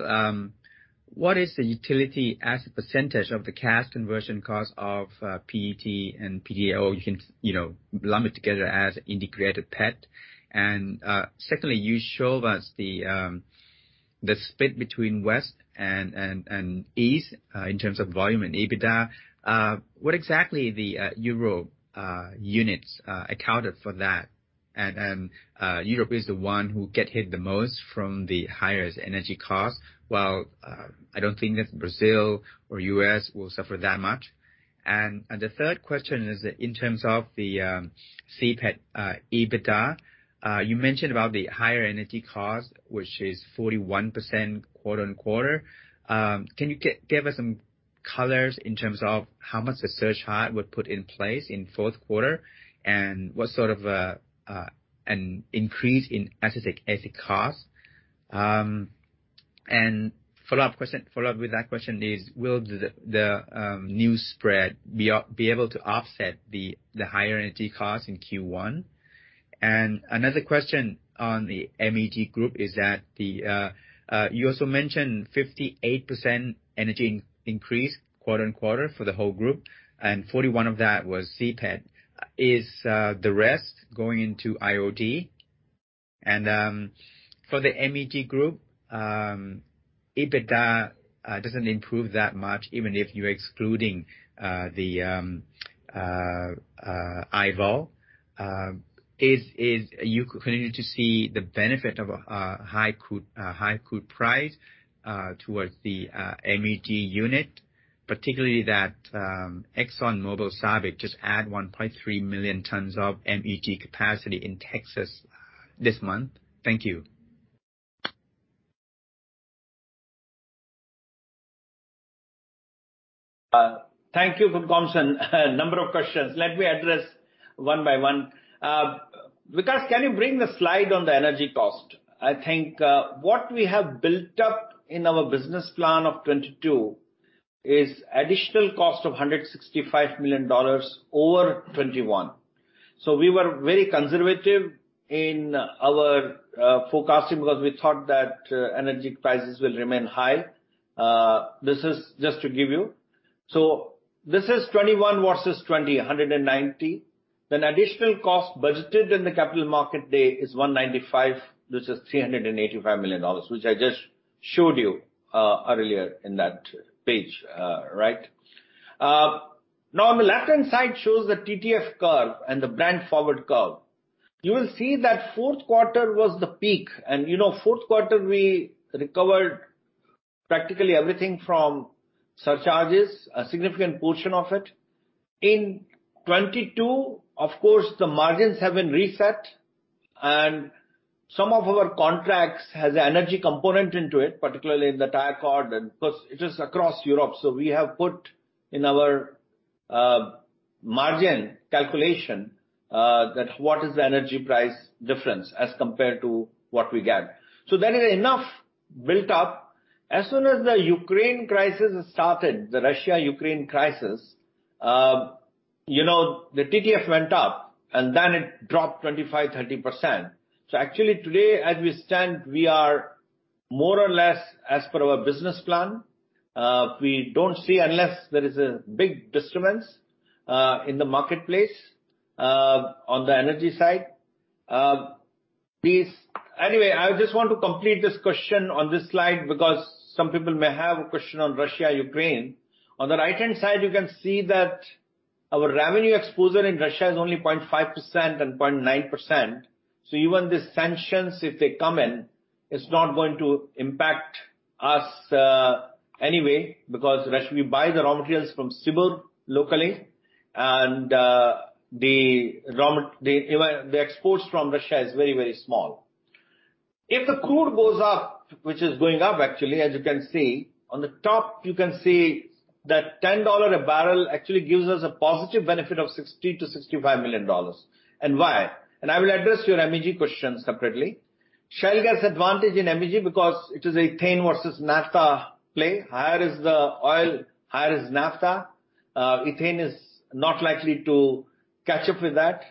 what is the utility as a percentage of the cash conversion cost of PET and PDO? You can, you know, lump it together as integrated PET. Secondly, you showed us the split between West and East in terms of volume and EBITDA. What exactly the Europe units accounted for that? Europe is the one who get hit the most from the highest energy cost, while I don't think that Brazil or U.S. will suffer that much. The third question is in terms of the CPET EBITDA, you mentioned about the higher energy cost, which is 41% quarter-on-quarter. Can you give us some color in terms of how much the surcharge was put in place in fourth quarter and what sort of an increase in acetic acid cost? Follow-up question with that question is, will the new spread be able to offset the higher energy cost in Q1? Another question on the MEG group is that you also mentioned 58% energy increase quarter-over-quarter for the whole group, and 41% of that was CPET. Is the rest going into IOD? For the MEG group, EBITDA doesn't improve that much even if you're excluding the IVOL. You continue to see the benefit of a high crude price towards the MEG unit, particularly that ExxonMobil SABIC just add 1.3 million tons of MEG capacity in Texas this month. Thank you. Thank you for the question. A number of questions. Let me address one by one. Vikash, can you bring the slide on the energy cost? I think what we have built up in our business plan of 2022 is additional cost of $165 million over 2021. We were very conservative in our forecasting because we thought that energy prices will remain high. This is just to give you. This is 2021 versus 2020, $190 million. Additional cost budgeted in the capital market day is $195 million. This is $385 million, which I just showed you earlier in that page, right? Now on the left-hand side shows the TTF curve and the Brent forward curve. You will see that fourth quarter was the peak. You know, fourth quarter we recovered practically everything from surcharges, a significant portion of it. In 2022, of course, the margins have been reset, and some of our contracts has an energy component into it, particularly in the tire cord. Plus, it is across Europe. We have put in our margin calculation that what is the energy price difference as compared to what we get. There is enough built up. As soon as the Ukraine crisis started, the Russia-Ukraine crisis, the TTF went up, and then it dropped 25%-30%. Actually today, as we stand, we are more or less as per our business plan. We don't see unless there is a big disturbance in the marketplace on the energy side. Please... I just want to complete this question on this slide because some people may have a question on Russia-Ukraine. On the right-hand side, you can see that our revenue exposure in Russia is only 0.5% and 0.9%. Even the sanctions, if they come in, it's not going to impact us anyway, because we buy the raw materials from SIBUR locally, and even the exports from Russia is very, very small. If the crude goes up, which is going up actually, as you can see. On the top you can see that $10 a barrel actually gives us a positive benefit of $60 million-$65 million. Why? I will address your MEG question separately. Shale gas advantage in MEG because it is ethane versus naphtha play. Higher is the oil, higher is naphtha. Ethane is not likely to catch up with that.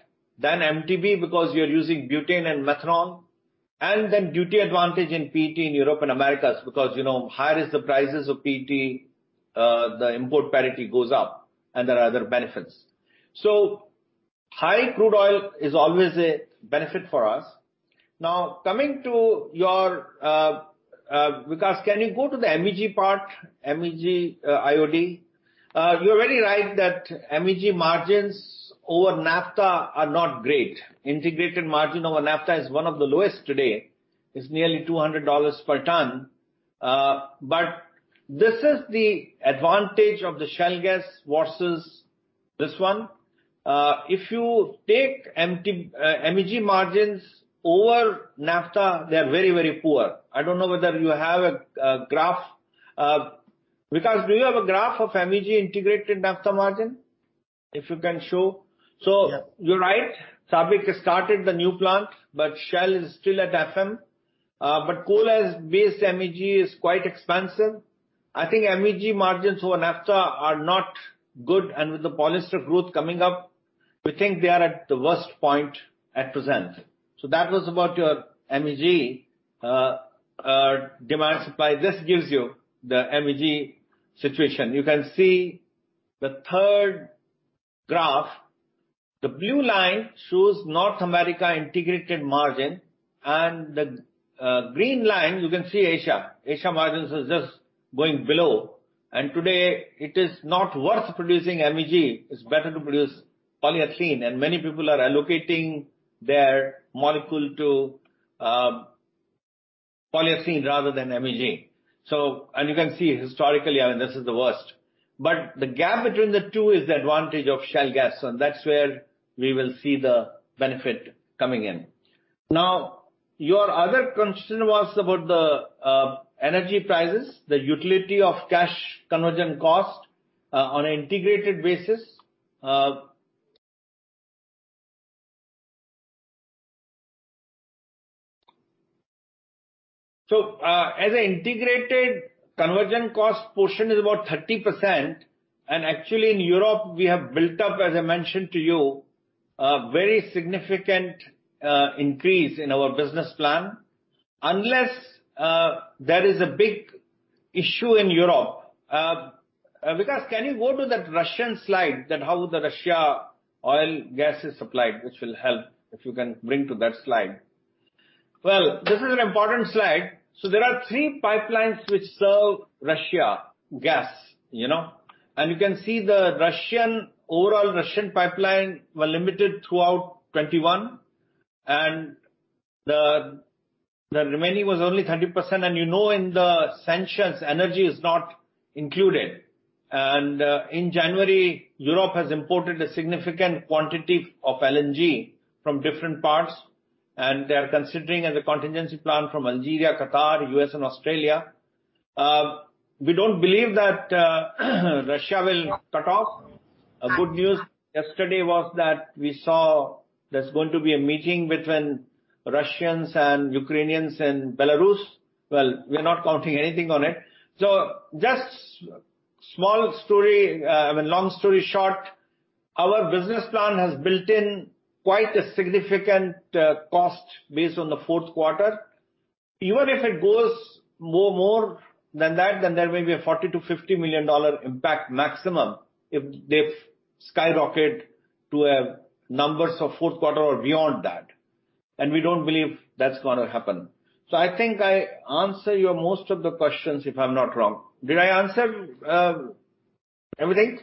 MTBE, because you're using butane and methanol. Duty advantage in PET in Europe and Americas, because, you know, higher is the prices of PET, the import parity goes up and there are other benefits. High crude oil is always a benefit for us. Now, coming to your, Vikash, can you go to the MEG part, MEG, IOD? You're very right that MEG margins over naphtha are not great. Integrated margin over naphtha is one of the lowest today. It's nearly $200 per ton. But this is the advantage of the shale gas versus this one. If you take MTBE, MEG margins over naphtha, they are very, very poor. I don't know whether you have a graph. Vikash, do you have a graph of MEG integrated naphtha margin, if you can show? Yes. You're right, SABIC has started the new plant, but Shell is still at FM. Coal as base MEG is quite expensive. I think MEG margins over naphtha are not good, and with the polyester growth coming up, we think they are at the worst point at present. That was about your MEG demand supply. This gives you the MEG situation. You can see the third graph. The blue line shows North America integrated margin and the green line, you can see Asia. Asia margins is just going below. Today it is not worth producing MEG. It's better to produce polyolefin, and many people are allocating their molecule to polyolefin rather than MEG. You can see historically, this is the worst. The gap between the two is the advantage of shale gas, and that's where we will see the benefit coming in. Now, your other concern was about the energy prices, the utility of cash conversion cost, on an integrated basis. As an integrated conversion cost portion is about 30%. Actually in Europe, we have built up, as I mentioned to you, a very significant increase in our business plan. Unless there is a big issue in Europe. Vikash, can you go to that Russian slide that how the Russia oil gas is supplied, which will help if you can bring to that slide. Well, this is an important slide. There are three pipelines which serve Russia gas, you know, and you can see the Russian... Overall Russian pipeline were limited throughout 2021, and the remaining was only 30%. In the sanctions, energy is not included. In January, Europe has imported a significant quantity of LNG from different parts, and they are considering a contingency plan from Algeria, Qatar, U.S. and Australia. We don't believe that Russia will cut off. Good news yesterday was that we saw there's going to be a meeting between Russians and Ukrainians in Belarus. Well, we're not counting anything on it. Just small story, long story short, our business plan has built in quite a significant cost based on the fourth quarter. Even if it goes more than that, then there may be a $40 million-$50 million impact maximum if they skyrocket to numbers of fourth quarter or beyond that. We don't believe that's gonna happen. I think I answer your most of the questions if I'm not wrong. Did I answer everything?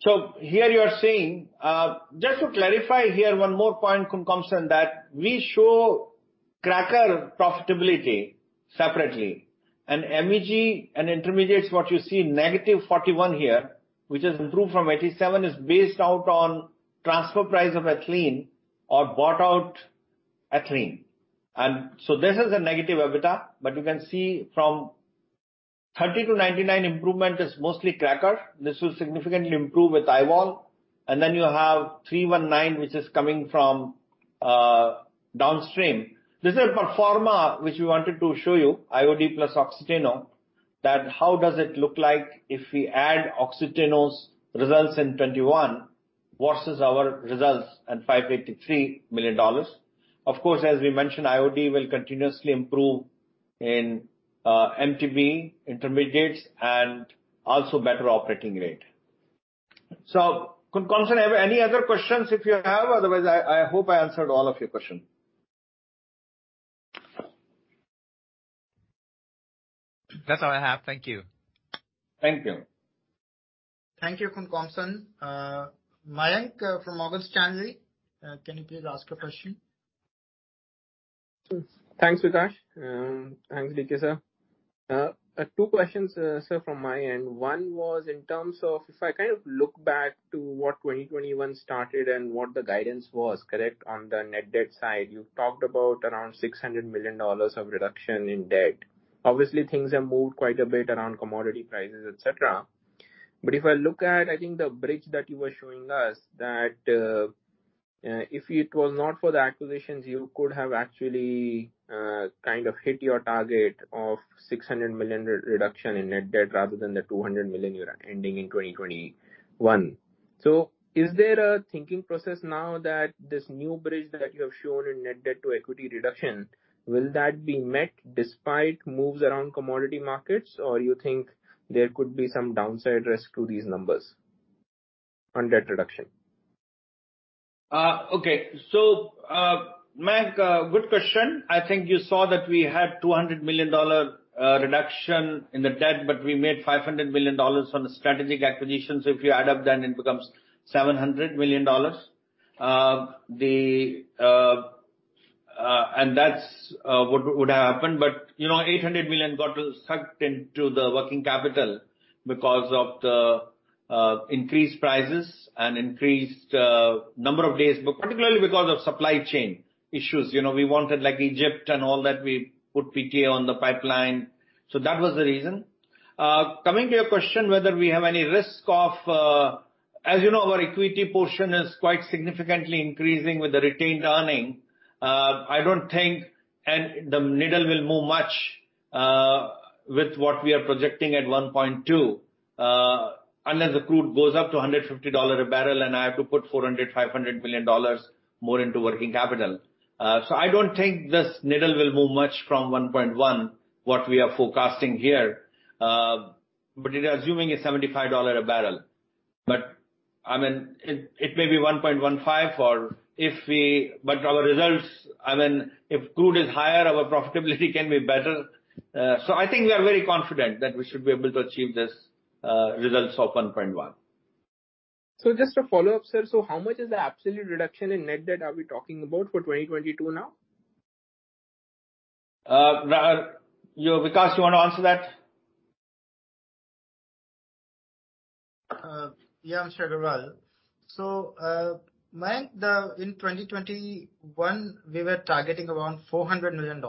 Here you are seeing, just to clarify here one more point, Komsun, that we show cracker profitability separately and MEG and intermediates, what you see, -$41 here, which has improved from -$87, is based out on transfer price of ethylene or bought out ethylene. This is a negative EBITDA. You can see from $30-$99 improvement is mostly cracker. This will significantly improve with IVOL. Then you have $319, which is coming from downstream. This is a pro forma which we wanted to show you, IOD plus Oxiteno, that how does it look like if we add Oxiteno's results in 2021 versus our results and $583 million. Of course, as we mentioned, IOD will continuously improve in MTBE, intermediates and also better operating rate. Komsun, any other questions if you have? Otherwise, I hope I answered all of your questions. That's all I have. Thank you. Thank you. Thank you, Komsun. Mayank from Morgan Stanley, can you please ask your question? Thanks, Vikash. Thanks, DK, sir. Two questions, sir, from my end. One was in terms of if I kind of look back to what 2021 started and what the guidance was, correct, on the net debt side. You talked about around $600 million of reduction in debt. Obviously, things have moved quite a bit around commodity prices, et cetera. If I look at, I think, the bridge that you were showing us, that, if it was not for the acquisitions, you could have actually kind of hit your target of $600 million reduction in net debt rather than the $200 million you're ending in 2021. Is there a thinking process now that this new bridge that you have shown in net debt to equity reduction, will that be met despite moves around commodity markets, or you think there could be some downside risk to these numbers on debt reduction? Okay. Mayank, good question. I think you saw that we had $200 million reduction in the debt, but we made $500 million on the strategic acquisitions. If you add up, then it becomes $700 million. And that's what would have happened. You know, $800 million got sucked into the working capital because of the increased prices and increased number of days, but particularly because of supply chain issues. You know, we wanted like Egypt and all that, we put PTA in the pipeline. That was the reason. Coming to your question, whether we have any risk of, as you know, our equity portion is quite significantly increasing with the retained earnings. I don't think. The needle won't move much with what we are projecting at $1.2, unless the crude goes up to $150 a barrel and I have to put $400 million-$500 million more into working capital. I don't think this needle will move much from $1.1, what we are forecasting here, but it is assuming a $75 a barrel. I mean, it may be $1.15, but our results, I mean, if crude is higher, our profitability can be better. I think we are very confident that we should be able to achieve this results of $1.1. Just a follow-up, sir. How much is the absolute reduction in net debt are we talking about for 2022 now? Vikash, you want to answer that? Yeah, I'm sure. Well, Mayank, in 2021, we were targeting around $400 million.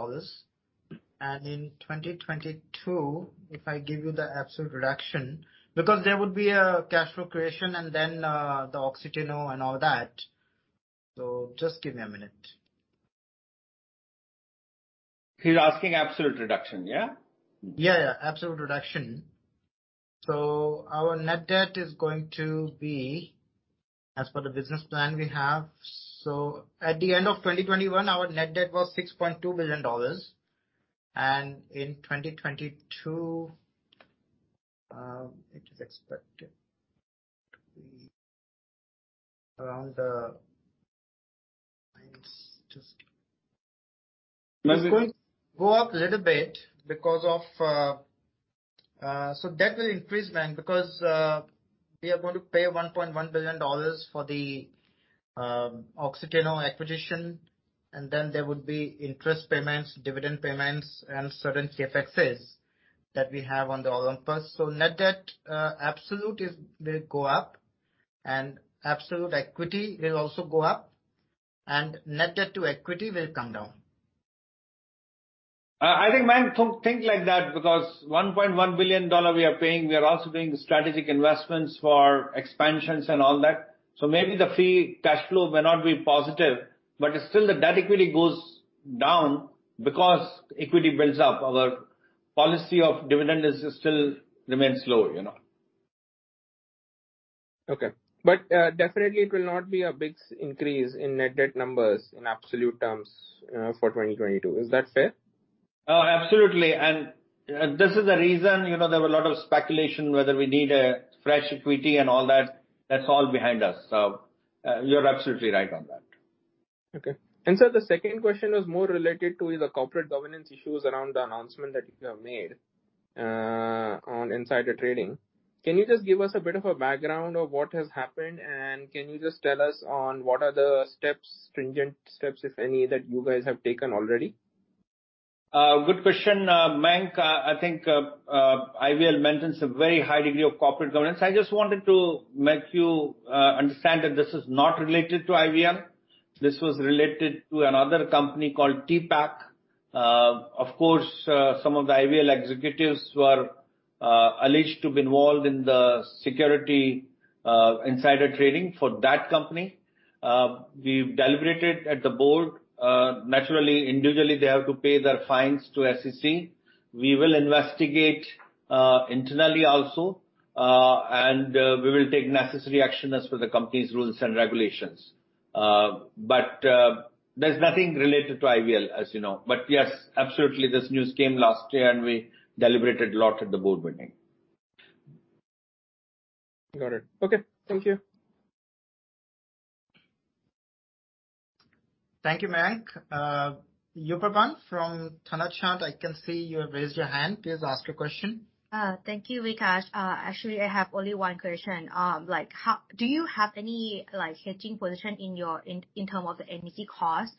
In 2022, if I give you the absolute reduction, because there would be a cash flow creation and then, the Oxiteno and all that. Just give me a minute. He's asking absolute reduction, yeah? Yeah, yeah, absolute reduction. Our net debt is going to be, as per the business plan we have. At the end of 2021, our net debt was $6.2 billion. In 2022, it is expected to be around minus just Plus it- Debt will increase, Mayank, because we are going to pay $1.1 billion for the Oxiteno acquisition, and then there would be interest payments, dividend payments, and certain CapEx that we have on the Olympus. Net debt absolute will go up, and absolute equity will also go up, and net debt to equity will come down. I think, Mayank, don't think like that because $1.1 billion we are paying, we are also doing the strategic investments for expansions and all that. Maybe the free cash flow may not be positive, but still the net equity goes down because equity builds up. Our policy of dividend is still remains low, you know. Okay. Definitely it will not be a big increase in net debt numbers in absolute terms for 2022. Is that fair? Oh, absolutely. This is the reason, you know, there were a lot of speculation whether we need a fresh equity and all that. That's all behind us. You're absolutely right on that. Okay. Sir, the second question was more related to the corporate governance issues around the announcement that you have made on insider trading. Can you just give us a bit of a background of what has happened, and can you just tell us on what are the steps, stringent steps, if any, that you guys have taken already? Good question. Mayank, I think IVL maintains a very high degree of corporate governance. I just wanted to make you understand that this is not related to IVL. This was related to another company called TPAC. Of course, some of the IVL executives were alleged to be involved in the securities insider trading for that company. We've deliberated at the board. Naturally, individually, they have to pay their fines to SEC. We will investigate internally also, and we will take necessary action as per the company's rules and regulations. There's nothing related to IVL, as you know. Yes, absolutely, this news came last year and we deliberated a lot at the board meeting. Got it. Okay. Thank you. Thank you, Mayank. Yupapan from Thanachart, I can see you have raised your hand. Please ask your question. Thank you, Vikash. Actually, I have only one question. Like, do you have any like hedging position in your in terms of the energy cost?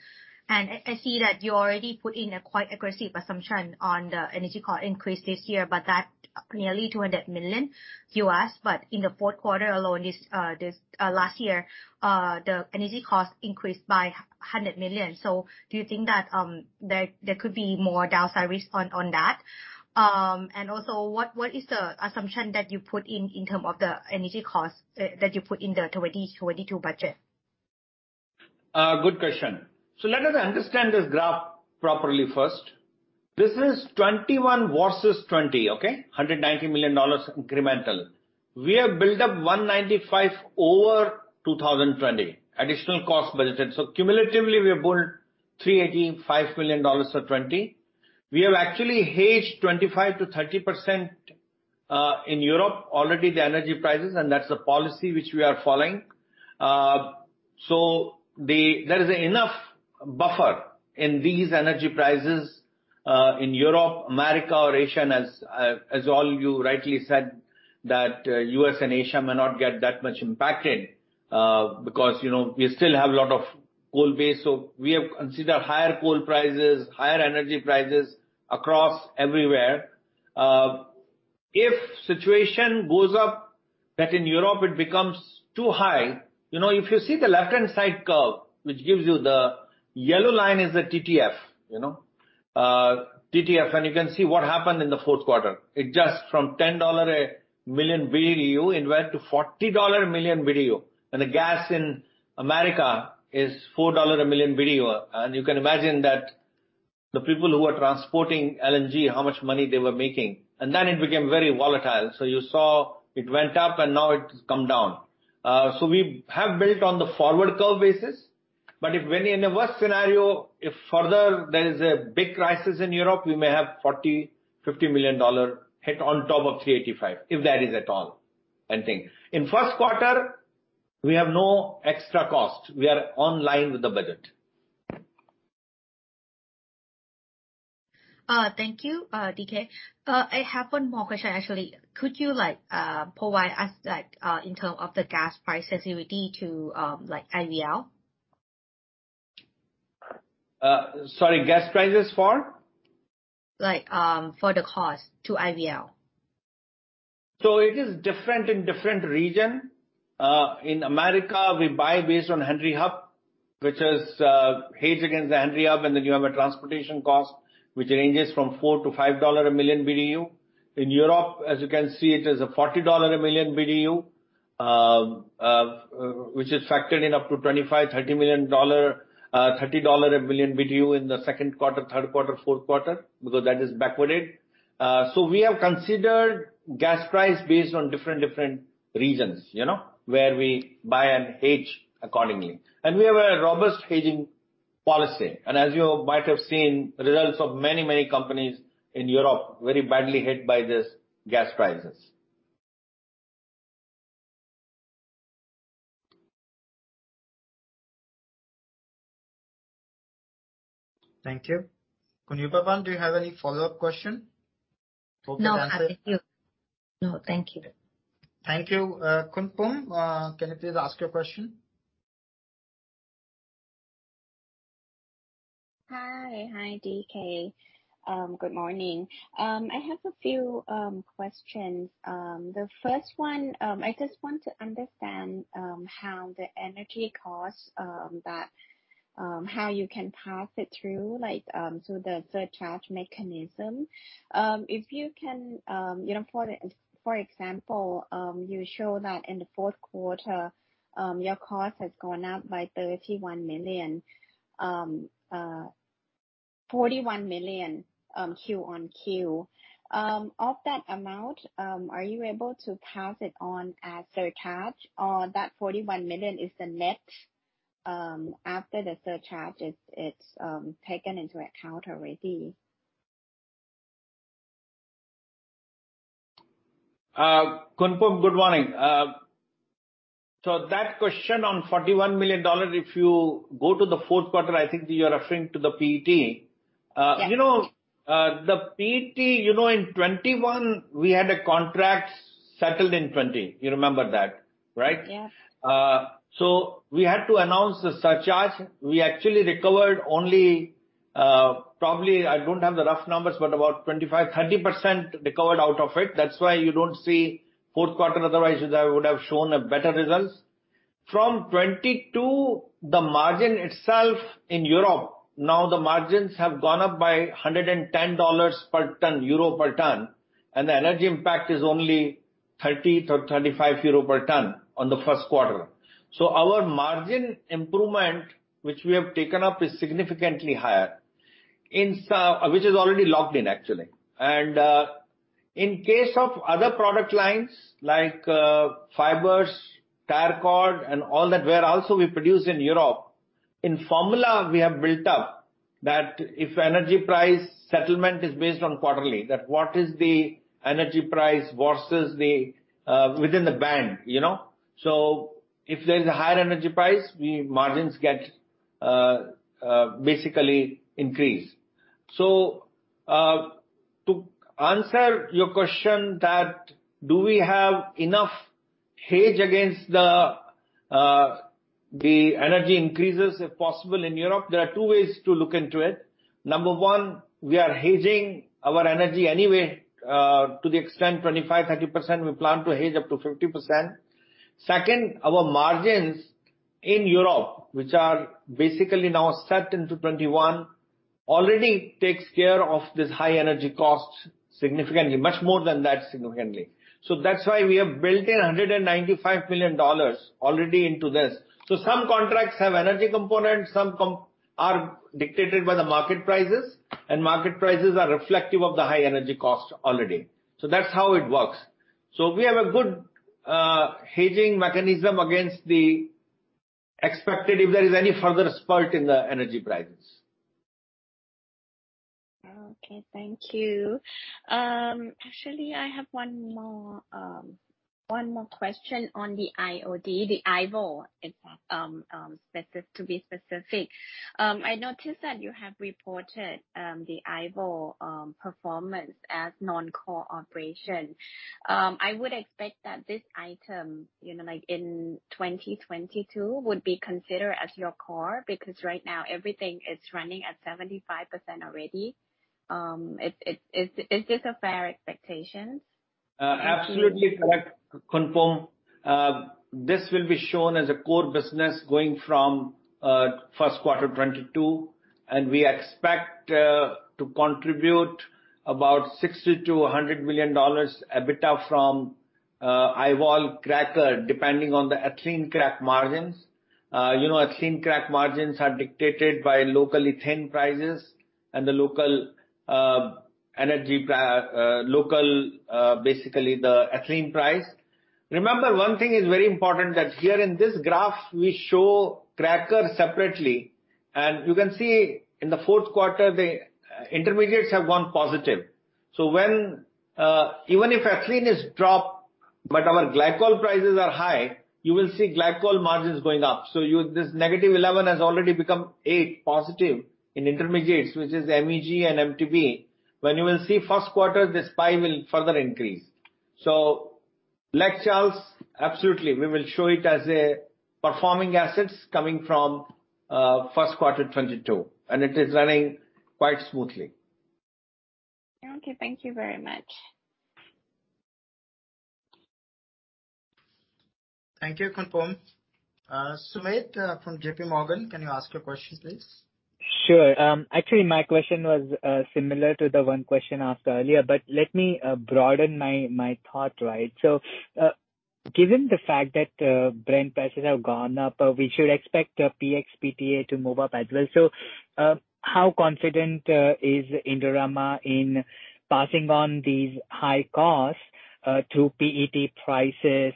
I see that you already put in a quite aggressive assumption on the energy cost increase this year, but that's nearly $200 million. In the fourth quarter alone this last year, the energy cost increased by $100 million. So do you think that there could be more downside risk on that? Also, what is the assumption that you put in in terms of the energy cost that you put in the 2022 budget? Good question. Let us understand this graph properly first. This is 2021 versus 2020, okay? $190 million incremental. We have built up $195 over 2020, additional cost built in. Cumulatively, we have built $385 million till 2020. We have actually hedged 25%-30% in Europe already the energy prices, and that's the policy which we are following. There is enough buffer in these energy prices in Europe, America or Asia, as all you rightly said, that U.S. and Asia may not get that much impacted, because, you know, we still have a lot of coal base. We have considered higher coal prices, higher energy prices across everywhere. If situation goes up that in Europe it becomes too high, you know, if you see the left-hand side curve, which gives you the yellow line is the TTF, you know. TTF. You can see what happened in the fourth quarter. It just from $10 per million BTU, it went to $40 per million BTU. The gas in America is $4 per million BTU. You can imagine that the people who are transporting LNG, how much money they were making. Then it became very volatile. You saw it went up and now it's come down. We have built on the forward curve basis. If when in a worst scenario, if further there is a big crisis in Europe, we may have $40 million-$50 million hit on top of $385, if that is at all, I think. In first quarter, we have no extra cost. We are online with the budget. Thank you, DK. I have one more question, actually. Could you provide us in terms of the gas price sensitivity to IVL? Sorry, gas prices for? Like, for the cost to IVL. It is different in different regions. In America, we buy based on Henry Hub, which is hedged against the Henry Hub, and then you have a transportation cost, which ranges from $4-$5 a million BTU. In Europe, as you can see, it is a $40 a million BTU, which is factored in up to $25-$30 a million BTU, $30 a million BTU in the second quarter, third quarter, fourth quarter, because that is backwardated. We have considered gas price based on different regions, you know, where we buy and hedge accordingly. We have a robust hedging policy. As you might have seen, results of many companies in Europe very badly hit by this gas prices. Thank you. Yupapan, do you have any follow-up question? Hope you answered. No, thank you. Thank you. Kunpung, can you please ask your question? Hi. Hi, DK. Good morning. I have a few questions. The first one, I just want to understand how the energy costs, how you can pass it through, like, so the surcharge mechanism. If you can, you know, for example, you show that in the fourth quarter, your cost has gone up by $41 million quarter-over-quarter. Of that amount, are you able to pass it on as surcharge or that $41 million is the net, after the surcharge it's taken into account already? Kunpung, good morning. That question on $41 million, if you go to the fourth quarter, I think you're referring to the PET. Yes. You know, the PET, you know, in 2021 we had a contract settled in 2020. You remember that, right? Yes. We had to announce the surcharge. We actually recovered only, probably I don't have the rough numbers, but about 25%-30% recovered out of it. That's why you don't see fourth quarter. Otherwise, I would have shown a better results. From 2022, the margin itself in Europe, now the margins have gone up by EUR 110 per ton, and the energy impact is only 30-35 euro per ton on the first quarter. Our margin improvement which we have taken up is significantly higher. Which is already locked in actually. In case of other product lines like fibers, tire cord and all that, where we also produce in Europe, in formula we have built up that if energy price settlement is based on quarterly, that what is the energy price versus the within the band, you know. If there's a higher energy price, our margins get basically increased. To answer your question that do we have enough hedge against the energy increases if possible in Europe, there are two ways to look into it. Number one, we are hedging our energy anyway to the extent 25%-30%. We plan to hedge up to 50%. Second, our margins in Europe, which are basically now set into 2021, already takes care of this high energy cost significantly. Much more than that, significantly. That's why we have built in $195 million already into this. Some contracts have energy components, some are dictated by the market prices, and market prices are reflective of the high energy cost already. That's how it works. We have a good hedging mechanism against the expected if there is any further spurt in the energy prices. Okay, thank you. Actually, I have one more question on the IOD, the IVOL in fact, to be specific. I noticed that you have reported the IVOL performance as non-core operation. I would expect that this item, you know, like in 2022 would be considered as your core because right now everything is running at 75% already. Is this a fair expectation? Absolutely correct, Kunpung. This will be shown as a core business going from first quarter 2022, and we expect to contribute about $60 million-$100 million EBITDA from IVOL cracker, depending on the ethylene crack margins. You know, ethylene crack margins are dictated by local ethane prices and the local energy, basically the ethylene price. Remember one thing is very important that here in this graph we show cracker separately. You can see in the fourth quarter, the intermediates have gone positive. When even if ethylene is dropped but our glycol prices are high, you will see glycol margins going up. You, this -11 has already become +8 in intermediates, which is MEG and MTBE. When you will see first quarter, this pie will further increase. Lake Charles, absolutely we will show it as a performing assets coming from first quarter 2022 and it is running quite smoothly. Okay, thank you very much. Thank you, Kunpung. Sumedh from JPMorgan, can you ask your question, please? Sure. Actually my question was similar to the one question asked earlier, but let me broaden my thought, right? Given the fact that Brent prices have gone up, we should expect PX PTA to move up as well. How confident is Indorama in passing on these high costs to PET prices?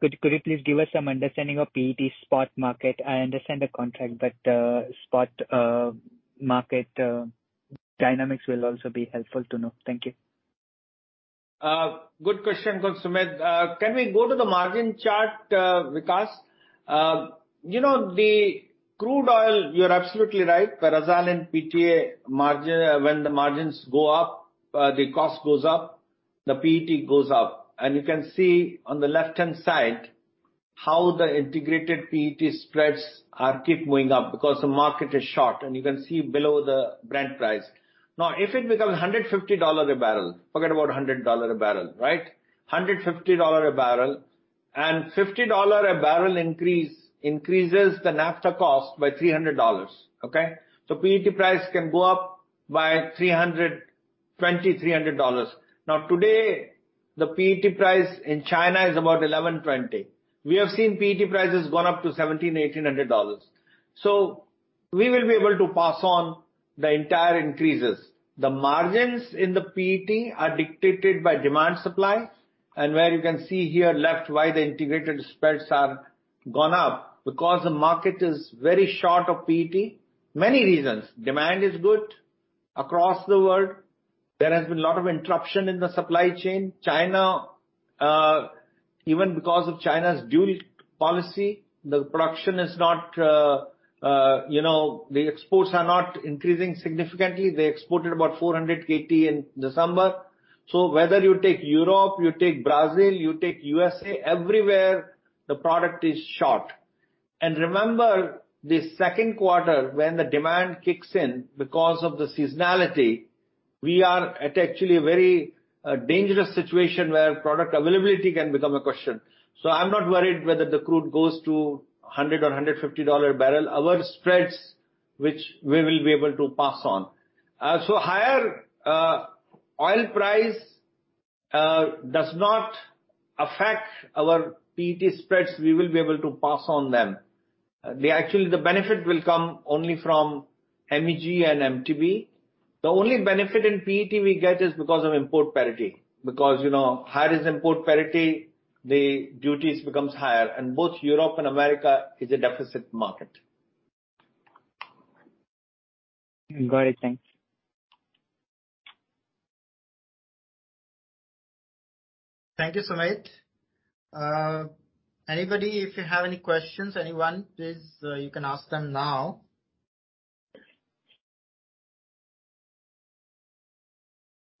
Could you please give us some understanding of PET spot market? I understand the contract, but spot market dynamics will also be helpful to know. Thank you. Good question, good Sumedh. Can we go to the margin chart, Vikash? You know, the crude oil, you're absolutely right. Paraxylene PTA margin. When the margins go up, the cost goes up, the PET goes up. You can see on the left-hand side how the integrated PET spreads keep going up because the market is short, and you can see below the Brent price. Now, if it becomes $150 a barrel, forget about $100 a barrel, right? $150 a barrel. $50 a barrel increase increases the naphtha cost by $300, okay? PET price can go up by 320, 300 dollars. Now, today, the PET price in China is about $1,120. We have seen PET prices gone up to $1,700, $1,800. We will be able to pass on the entire increases. The margins in the PET are dictated by demand supply, and where you can see here left why the integrated spreads are gone up, because the market is very short of PET. Many reasons: demand is good across the world. There has been a lot of interruption in the supply chain. China, even because of China's dual policy, the production is not, the exports are not increasing significantly. They exported about 400 KT in December. Whether you take Europe, you take Brazil, you take USA, everywhere the product is short. Remember the second quarter when the demand kicks in because of the seasonality, we are at actually a very dangerous situation where product availability can become a question. I'm not worried whether the crude goes to $100 or $150 a barrel. Our spreads, which we will be able to pass on. Higher oil price does not affect our PET spreads. We will be able to pass on them. Actually, the benefit will come only from MEG and MTBE. The only benefit in PET we get is because of import parity. Because, you know, higher is import parity, the duties becomes higher. Both Europe and America is a deficit market. Got it. Thanks. Thank you, Sumedh. Anybody, if you have any questions, anyone, please, you can ask them now.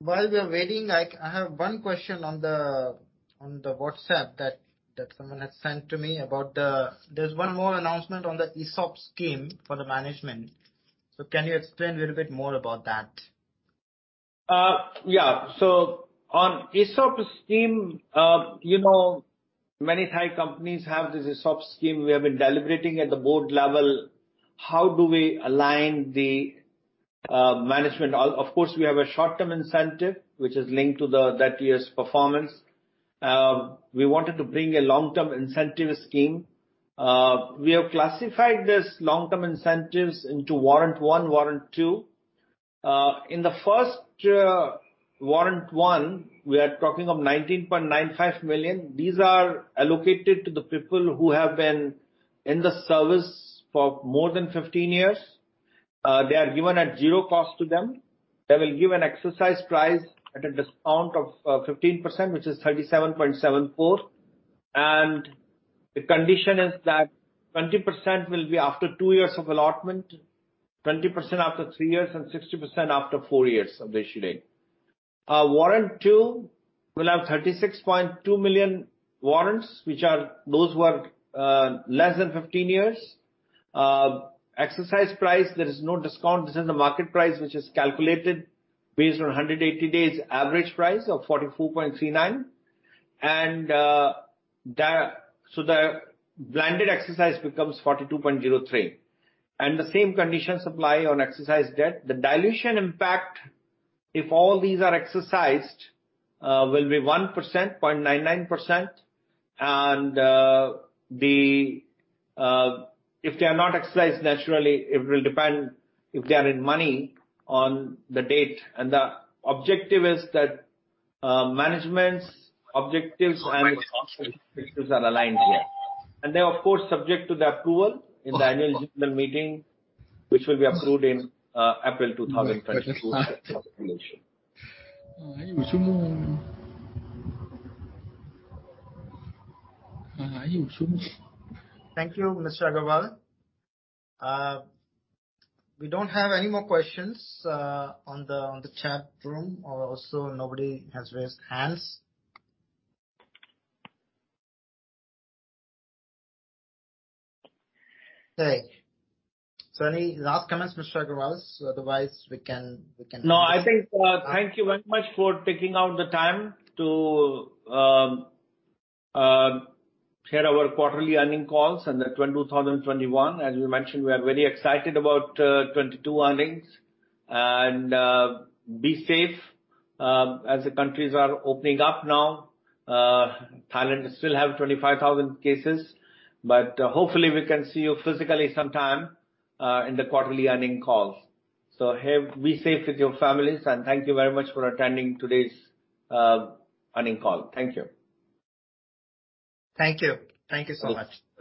While we are waiting, I have one question on the WhatsApp that someone has sent to me about, there's one more announcement on the ESOP scheme for the management. Can you explain a little bit more about that? On ESOP scheme, you know, many Thai companies have this ESOP scheme. We have been deliberating at the board level, how do we align the management. Of course, we have a short-term incentive, which is linked to that year's performance. We wanted to bring a long-term incentive scheme. We have classified this long-term incentives into warrant one, warrant two. In the first warrant one, we are talking of 19.95 million. These are allocated to the people who have been in the service for more than 15 years. They are given at 0 cost to them. They will give an exercise price at a discount of 15%, which is 37.74. The condition is that 20% will be after two years of allotment, 20% after three years, and 60% after four years of the issuing. Warrant two will have 36.2 million warrants, which are those who are less than 15 years. Exercise price, there is no discount. This is the market price, which is calculated based on 180 days average price of 44.39. So the blended exercise becomes 42.03. The same conditions apply on exercise date. The dilution impact, if all these are exercised, will be 1%, 0.99%. If they are not exercised naturally, it will depend if they are in the money on the date. The objective is that management's objectives and are aligned here. They are of course subject to the approval in the annual general meeting, which will be approved in April 2022. Thank you, Mr. Agarwal. We don't have any more questions on the chat room. Also, nobody has raised hands. Okay. Any last comments, Mr. Agarwal? Otherwise we can No, I think thank you very much for taking out the time to hear our quarterly earnings calls in 2021. As we mentioned, we are very excited about 2022 earnings. Be safe as the countries are opening up now. Thailand still have 25,000 cases. But hopefully, we can see you physically sometime in the quarterly earnings calls. Be safe with your families. Thank you very much for attending today's earnings call. Thank you. Thank you. Thank you so much.